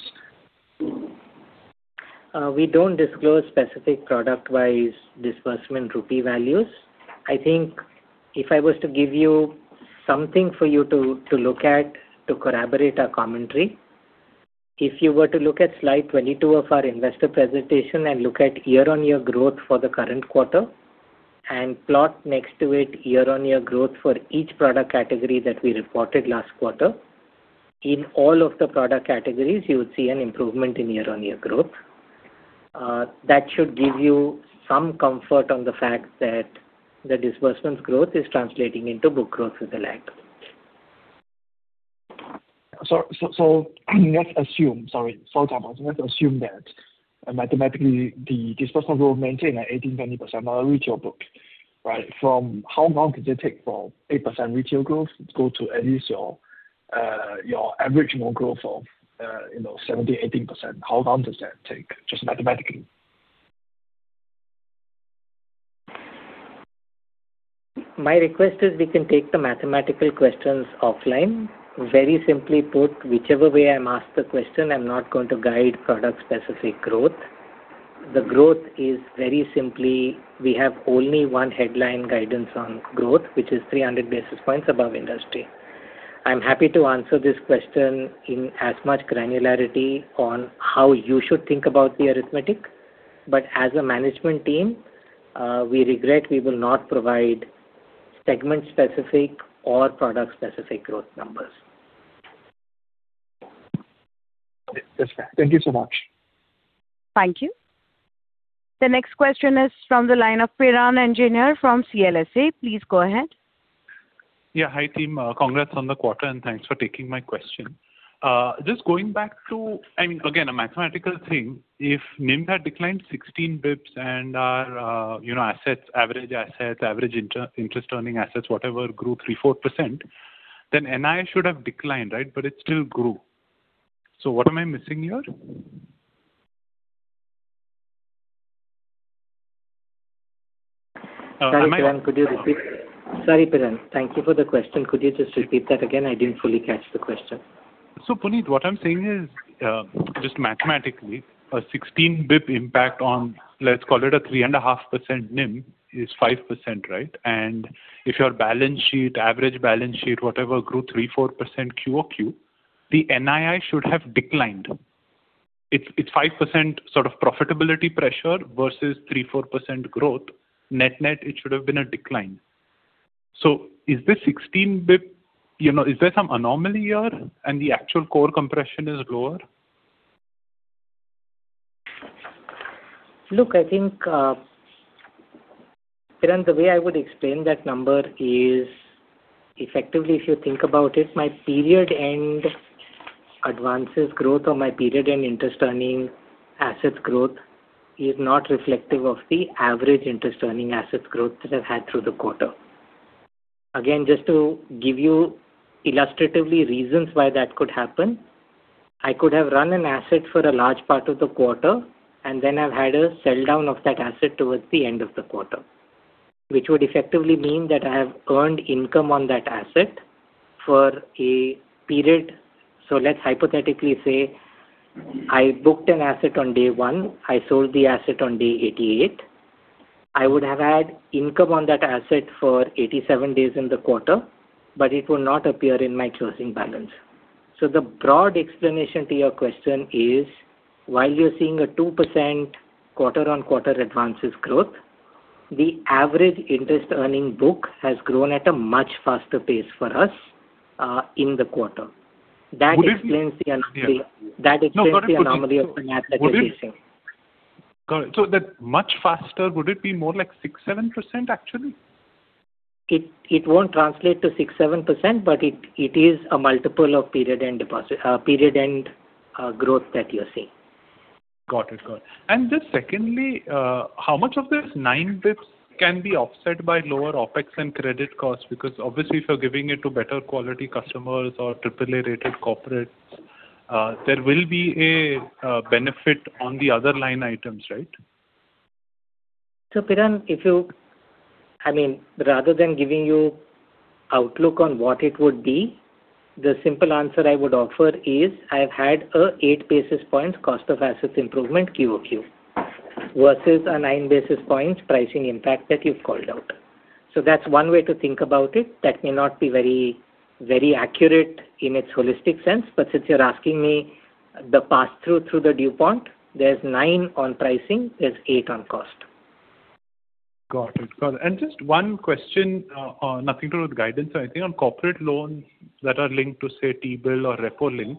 We don't disclose specific product-wise disbursement rupee values. I think if I was to give you something for you to look at to corroborate our commentary, if you were to look at slide 22 of our investor presentation and look at year-on-year growth for the current quarter and plot next to it year-on-year growth for each product category that we reported last quarter. In all of the product categories, you would see an improvement in year-on-year growth. That should give you some comfort on the fact that the disbursements growth is translating into book growth with a lag. Let's assume that mathematically the disbursement will maintain at 18%-20% on a retail book. Right? From how long does it take for 8% retail growth to go to at least your average growth of 17%-18%? How long does that take? Just mathematically. My request is we can take the mathematical questions offline. Very simply put, whichever way I'm asked the question, I'm not going to guide product-specific growth. The growth is very simply, we have only one headline guidance on growth, which is 300 basis points above industry. I'm happy to answer this question in as much granularity on how you should think about the arithmetic. As a management team, we regret we will not provide segment-specific or product-specific growth numbers. That's fair. Thank you so much. Thank you. The next question is from the line of Piran Engineer from CLSA. Please go ahead. Yeah. Hi, team. Congrats on the quarter, thanks for taking my question. Just going back to, again, a mathematical thing. If NIM had declined 16 basis points and our average assets, average interest earning assets, whatever, grew 3%, 4%, then NII should have declined, right? It still grew. What am I missing here? Sorry, Piran. Thank you for the question. Could you just repeat that again? I didn't fully catch the question. Puneet, what I'm saying is, just mathematically, a 16 basis points impact on, let's call it a 3.5% NIM is 5%, right? If your average balance sheet, whatever, grew 3%, 4% QoQ, the NII should have declined. It's 5% sort of profitability pressure versus 3%, 4% growth. Net net, it should have been a decline. Is this 16 basis points, is there some anomaly here and the actual core compression is lower? Piran, the way I would explain that number is effectively, if you think about it, my period end advances growth or my period end interest earning assets growth is not reflective of the average interest earning assets growth that I've had through the quarter. Again, just to give you illustratively reasons why that could happen, I could have run an asset for a large part of the quarter, and then I've had a sell-down of that asset towards the end of the quarter. Which would effectively mean that I have earned income on that asset for a period. Let's hypothetically say I booked an asset on day one, I sold the asset on day 88. I would have had income on that asset for 87 days in the quarter, but it would not appear in my closing balance. The broad explanation to your question is, while you're seeing a 2% quarter-on-quarter advances growth, the average interest earning book has grown at a much faster pace for us in the quarter. Yeah. No, got it. That explains the anomaly of the math that you're facing. Got it. That much faster, would it be more like 6%, 7% actually? It won't translate to 6%, 7%, but it is a multiple of period end growth that you're seeing. Got it. Just secondly, how much of this 9 basis points can be offset by lower OpEx and credit costs? Because obviously if you're giving it to better quality customers or AAA-rated corporates there will be a benefit on the other line items, right? Piran, rather than giving you outlook on what it would be, the simple answer I would offer is I've had an eight basis points cost of assets improvement QoQ versus a 9 basis points pricing impact that you've called out. That's one way to think about it. That may not be very accurate in its holistic sense, but since you're asking me the pass through through the DuPont, there's nine on pricing, there's eight on cost. Got it. And just one question, nothing to do with guidance. I think on corporate loans that are linked to, say, T-bill or repo link,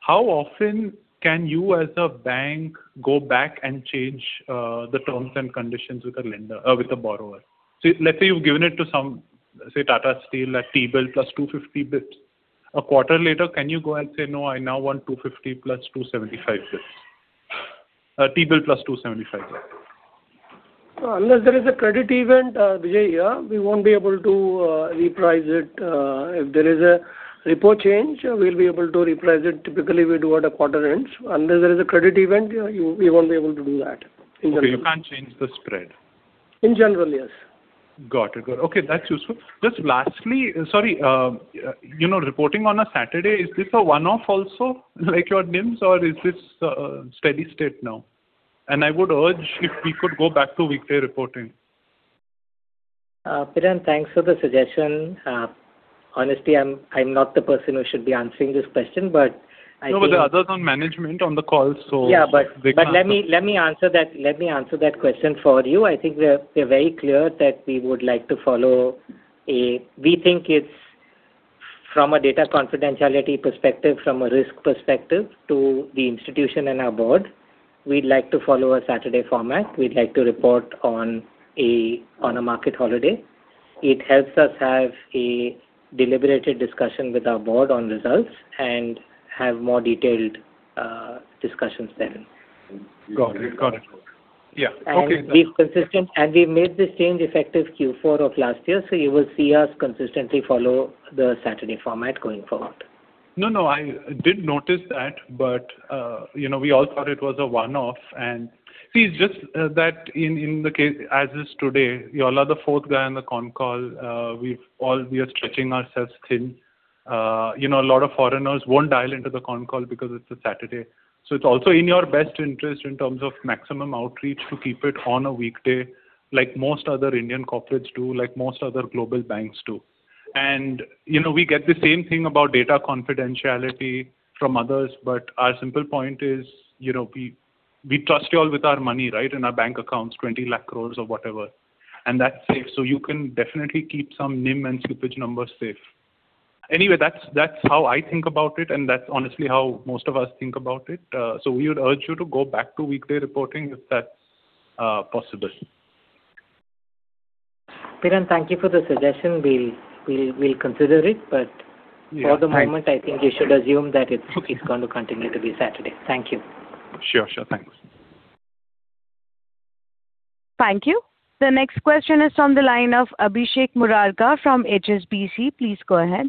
how often can you as a bank go back and change the terms and conditions with the borrower? Let's say you've given it to some, say Tata Steel at T-bill plus 250 basis points. A quarter later, can you go and say, "No, I now want 250 plus 275 basis points." T-bill plus 275 basis points. Unless there is a credit event, Vijay, we won't be able to reprice it. If there is a repo change, we'll be able to reprice it. Typically, we do at a quarter end. Unless there is a credit event, we won't be able to do that in general. Okay. You can't change the spread. In general, yes. Got it. Okay, that's useful. Just lastly, sorry, reporting on a Saturday, is this a one-off also like your NIMs or is this a steady state now? I would urge if we could go back to weekday reporting. Piran, thanks for the suggestion. Honestly, I'm not the person who should be answering this question. No, there are others on management on the call. Yeah. Let me answer that question for you. I think we're very clear that, from a data confidentiality perspective, from a risk perspective to the institution and our board, we'd like to follow a Saturday format. We'd like to report on a market holiday. It helps us have a deliberated discussion with our board on results and have more detailed discussions then. Got it. Yeah. Okay. We've made this change effective Q4 of last year. You will see us consistently follow the Saturday format going forward. No, I did notice that. We all thought it was a one-off. See, just that in the case as is today, you all are the fourth guy on the con call. We are stretching ourselves thin. A lot of foreigners won't dial into the con call because it's a Saturday. It's also in your best interest in terms of maximum outreach to keep it on a weekday like most other Indian corporates do, like most other global banks do. We get the same thing about data confidentiality from others. Our simple point is we trust you all with our money, right? In our bank accounts, 20 lakh crores or whatever, and that's safe. You can definitely keep some NIM and slippage numbers safe. That's how I think about it, and that's honestly how most of us think about it. We would urge you to go back to weekday reporting if that's possible. Piran, thank you for the suggestion. We'll consider it. Yeah For the moment, I think you should assume that it is going to continue to be Saturday. Thank you. Sure. Thanks. Thank you. The next question is from the line of Abhishek Murarka from HSBC. Please go ahead.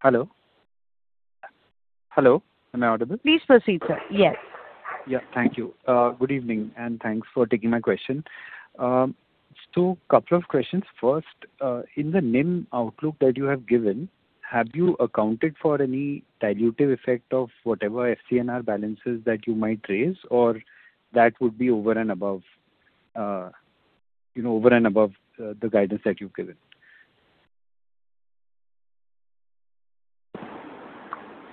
Hello? Hello, am I audible? Please proceed, sir. Yes. Thank you. Good evening, and thanks for taking my question. Couple of questions. First, in the NIM outlook that you have given, have you accounted for any dilutive effect of whatever FCNR balances that you might raise or that would be over and above the guidance that you've given?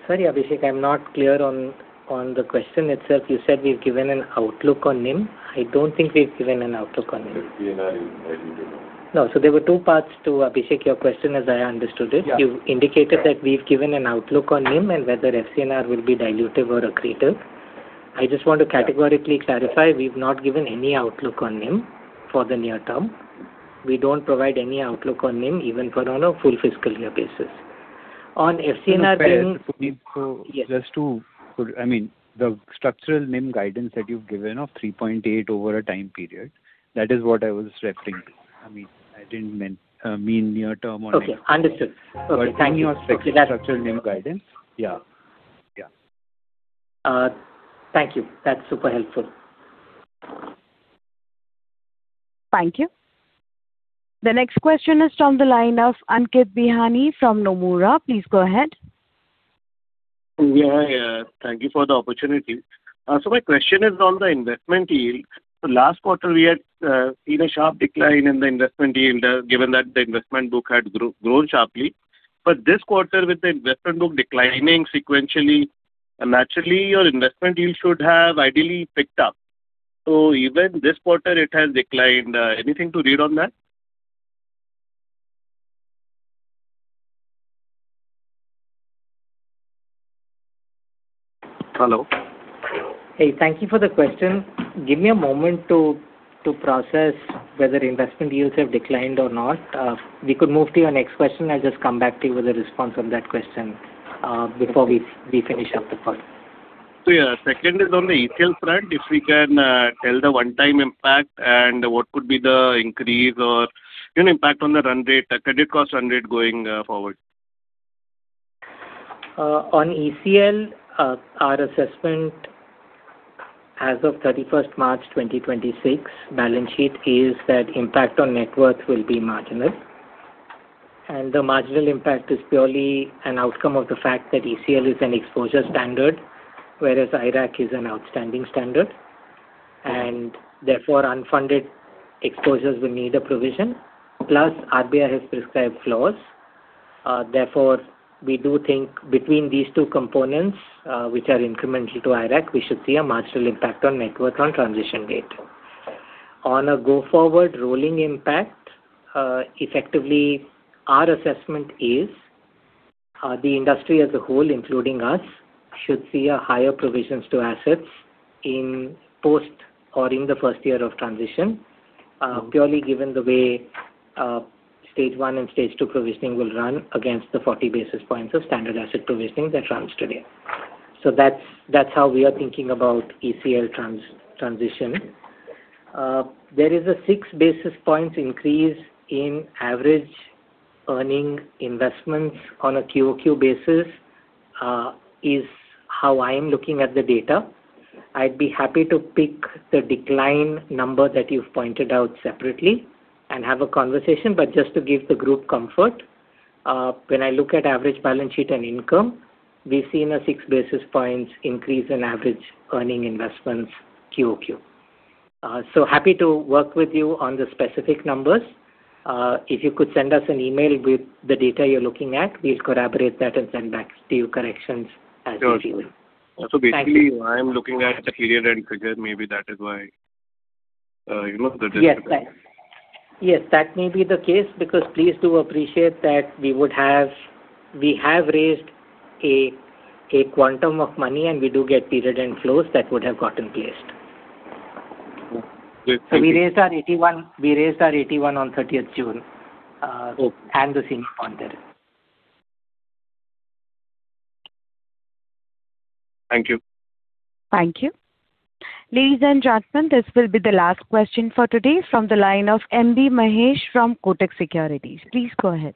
Sorry, Abhishek, I'm not clear on the question itself. You said we've given an outlook on NIM. I don't think we've given an outlook on NIM. FCNR is dilutive or not. No. There were two parts to Abhishek, your question as I understood it. Yeah. You indicated that we've given an outlook on NIM and whether FCNR will be dilutive or accretive. I just want to categorically clarify, we've not given any outlook on NIM for the near term. We don't provide any outlook on NIM even for on a full fiscal year basis. The structural NIM guidance that you've given of 3.8 over a time period, that is what I was referring to. I didn't mean near term or. Okay. Understood. Okay. Thank you. Structural NIM guidance. Yeah. Thank you. That's super helpful. Thank you. The next question is from the line of Ankit Bihani from Nomura. Please go ahead. Yeah. Thank you for the opportunity. My question is on the investment yield. Last quarter we had seen a sharp decline in the investment yield given that the investment book had grown sharply. This quarter with the investment book declining sequentially, naturally your investment yield should have ideally picked up. Even this quarter it has declined. Anything to read on that? Hello? Hey, thank you for the question. Give me a moment to process whether investment yields have declined or not. We could move to your next question. I will just come back to you with a response on that question before we finish up the call. Yeah, second is on the ECL front. If we can tell the one time impact and what could be the increase or impact on the run rate, credit cost run rate going forward. ECL, our assessment as of 31st March 2026 balance sheet is that impact on net worth will be marginal, and the marginal impact is purely an outcome of the fact that ECL is an exposure standard, whereas IRAC is an outstanding standard and therefore unfunded exposures will need a provision. Plus, RBI has prescribed flows. We do think between these two components, which are incremental to IRAC, we should see a marginal impact on net worth on transition date. On a go forward rolling impact, effectively, our assessment is the industry as a whole, including us, should see a higher provisions to assets in post or in the first year of transition, purely given the way stage one and stage two provisioning will run against the 40 basis points of standard asset provisioning that runs today. That's how we are thinking about ECL transition. There is a 6 basis points increase in average earning investments on a QoQ basis, is how I'm looking at the data. I'd be happy to pick the decline number that you've pointed out separately and have a conversation. Just to give the group comfort, when I look at average balance sheet and income, we've seen a 6 basis points increase in average earning investments QoQ. Happy to work with you on the specific numbers. If you could send us an email with the data you're looking at, we'll corroborate that and send back to you corrections as we view it. Sure. Basically, I'm looking at the period-end figure. Maybe that is why the difference. Yes, that may be the case because please do appreciate that we have raised a quantum of money, and we do get period-end flows that would have gotten placed. Okay. We raised our AT1 on 30th June and the CMA on there. Thank you. Thank you. Ladies and gentlemen, this will be the last question for today from the line of M.B. Mahesh from Kotak Securities. Please go ahead.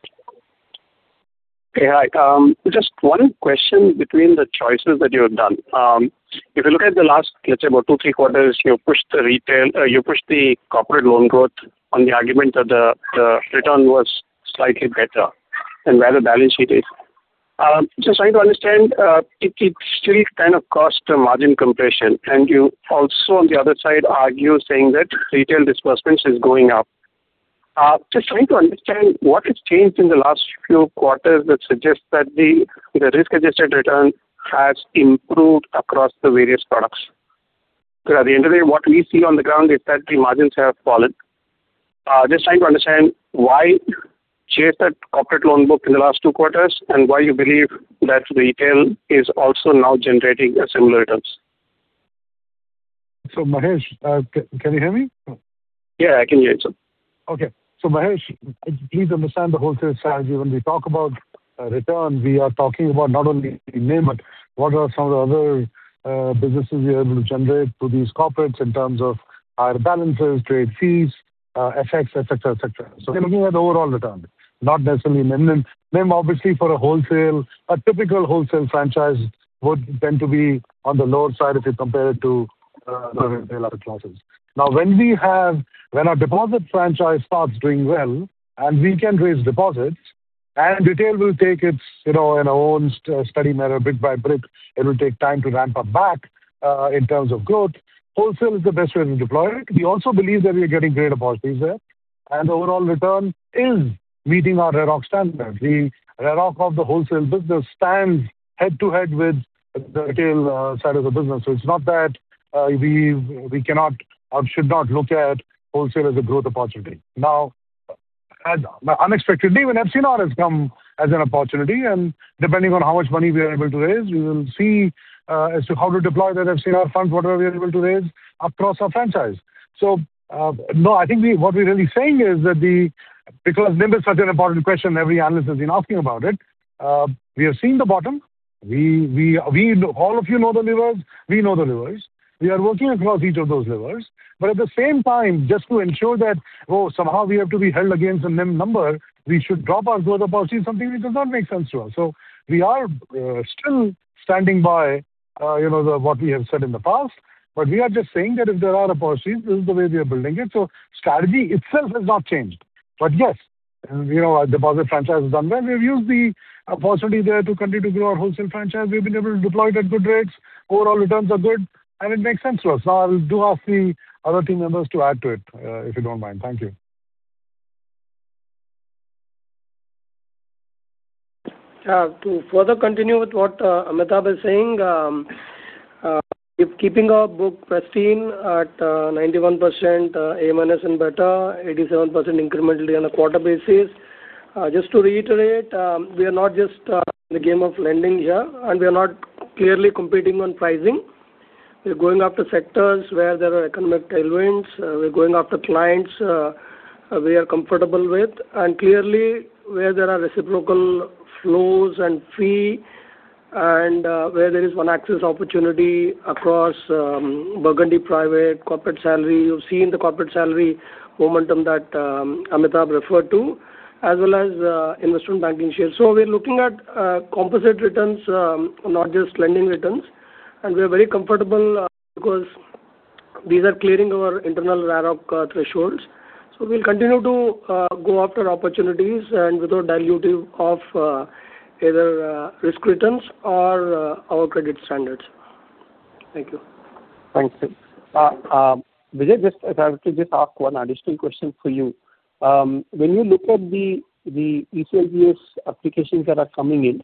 Hey. Just one question between the choices that you have done. If you look at the last, let's say about two, three quarters, you pushed the corporate loan growth on the argument that the return was slightly better and where the balance sheet is. Just trying to understand, it still kind of cost a margin compression and you also on the other side argue saying that retail disbursements is going up. Just trying to understand what has changed in the last few quarters that suggests that the risk-adjusted return has improved across the various products. Because at the end of the day, what we see on the ground is that the margins have fallen. Just trying to understand why chase that corporate loan book in the last two quarters and why you believe that retail is also now generating similar returns. Mahesh, can you hear me? Yeah, I can hear you, sir. Okay. Mahesh, please understand the wholesale strategy. When we talk about return, we are talking about not only NIM, but what are some of the other businesses we are able to generate through these corporates in terms of higher balances, trade fees, effects, et cetera. We're looking at overall return, not necessarily NIM. NIM, obviously for a typical wholesale franchise would tend to be on the lower side if you compare it to other classes. When our deposit franchise starts doing well and we can raise deposits and retail will take its own steady manner, brick by brick, it will take time to ramp up back in terms of growth. Wholesale is the best way to deploy it. We also believe that we are getting greater opportunities there and the overall return is meeting our ROIC standards. The ROIC of the wholesale business stands head to head with the retail side of the business. It's not that we cannot or should not look at wholesale as a growth opportunity. Unexpectedly, even FCNR has come as an opportunity, and depending on how much money we are able to raise, we will see as to how to deploy that FCNR fund, whatever we are able to raise across our franchise. No, I think what we're really saying is that because NIM is such an important question, every analyst has been asking about it. We have seen the bottom. All of you know the levers. We know the levers. We are working across each of those levers. At the same time, just to ensure that, somehow we have to be held against the NIM number, we should drop our growth policy is something which does not make sense to us. We are still standing by what we have said in the past, but we are just saying that if there are opportunities, this is the way we are building it. Strategy itself has not changed. Yes, our deposit franchise has done well. We've used the opportunity there to continue to grow our wholesale franchise. We've been able to deploy it at good rates. Overall returns are good, and it makes sense to us. Now I'll do ask the other team members to add to it, if you don't mind. Thank you. To further continue with what Amitabh is saying, keeping our book pristine at 91% A minus and better, 87% incrementally on a quarter basis. Just to reiterate, we are not just in the game of lending here, and we are not clearly competing on pricing. We are going after sectors where there are economic tailwinds. We are going after clients we are comfortable with, and clearly where there are reciprocal flows and fee, and where there is One Axis opportunity across Burgundy Private, corporate salary. You've seen the corporate salary momentum that Amitabh referred to, as well as investment banking share. We're looking at composite returns, not just lending returns. We are very comfortable because these are clearing our internal ROIC thresholds. We'll continue to go after opportunities and without dilutive of either risk returns or our credit standards. Thank you. Thanks. Vijay, I would like to just ask one additional question for you. When you look at the ECLGS applications that are coming in,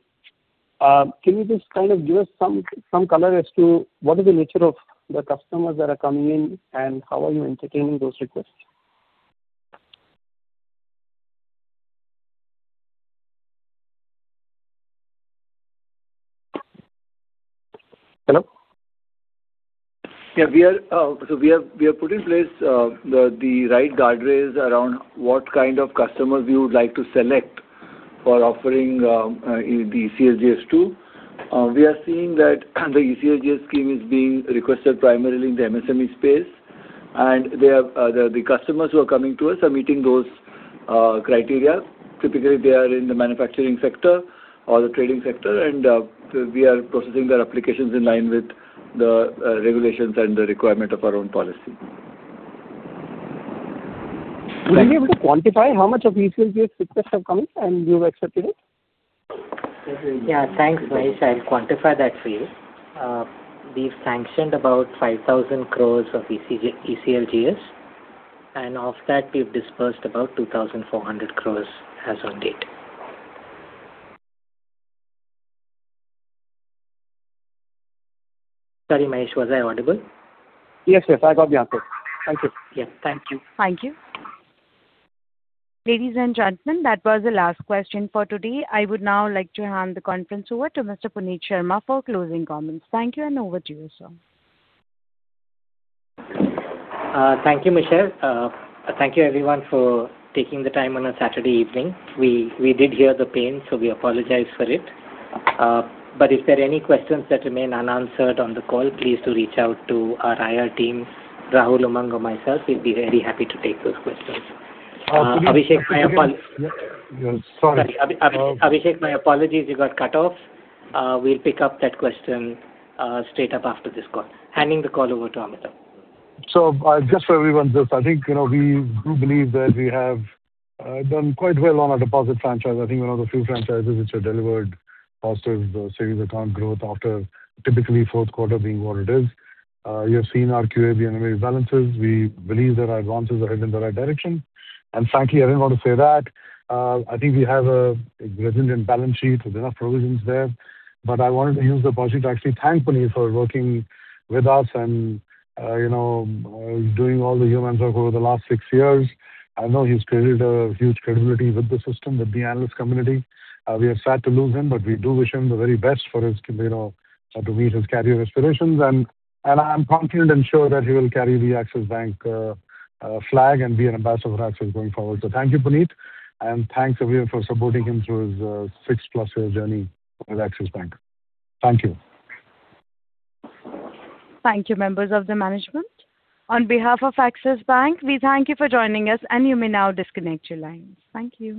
can you just kind of give us some color as to what is the nature of the customers that are coming in, and how are you entertaining those requests? Hello? We have put in place the right guardrails around what kind of customers we would like to select for offering the ECLGS too. We are seeing that the ECLGS scheme is being requested primarily in the MSME space. The customers who are coming to us are meeting those criteria. Typically, they are in the manufacturing sector or the trading sector, and we are processing their applications in line with the regulations and the requirement of our own policy. Would you be able to quantify how much of ECLGS requests have come and you've accepted it? Thanks, Mahesh. I'll quantify that for you. We've sanctioned about 5,000 crores of ECLGS, and of that, we've disbursed about 2,400 crores as on date. Sorry, Mahesh, was I audible? Yes, yes, I got the answer. Thank you. Thank you. Thank you. Ladies and gentlemen, that was the last question for today. I would now like to hand the conference over to Mr. Puneet Sharma for closing comments. Thank you, and over to you, sir. Thank you, Michelle. Thank you, everyone, for taking the time on a Saturday evening. We did hear the pain. We apologize for it. If there are any questions that remain unanswered on the call, please do reach out to our IR team, Rahul, Umang, or myself. We'll be very happy to take those questions. Puneet- Abhishek, my apologies. Yes. Sorry. Sorry. Abhishek, my apologies, you got cut off. We'll pick up that question straight up after this call. Handing the call over to Amitabh. Just for everyone, just I think, we do believe that we have done quite well on our deposit franchise. I think we're one the few franchises which have delivered positive savings account growth after typically fourth quarter being what it is. You have seen our QAB balances. We believe that our advances are heading in the right direction. Frankly, I didn't want to say that. I think we have a resilient balance sheet with enough provisions there. I wanted to use the opportunity to actually thank Puneet for working with us and doing all the heavy lifting over the last six years. I know he's created a huge credibility with the system, with the analyst community. We are sad to lose him, but we do wish him the very best to meet his career aspirations. I am confident and sure that he will carry the Axis Bank flag and be an ambassador for Axis going forward. Thank you, Puneet, and thanks everyone for supporting him through his 6+ year journey with Axis Bank. Thank you. Thank you, members of the management. On behalf of Axis Bank, we thank you for joining us, and you may now disconnect your lines. Thank you.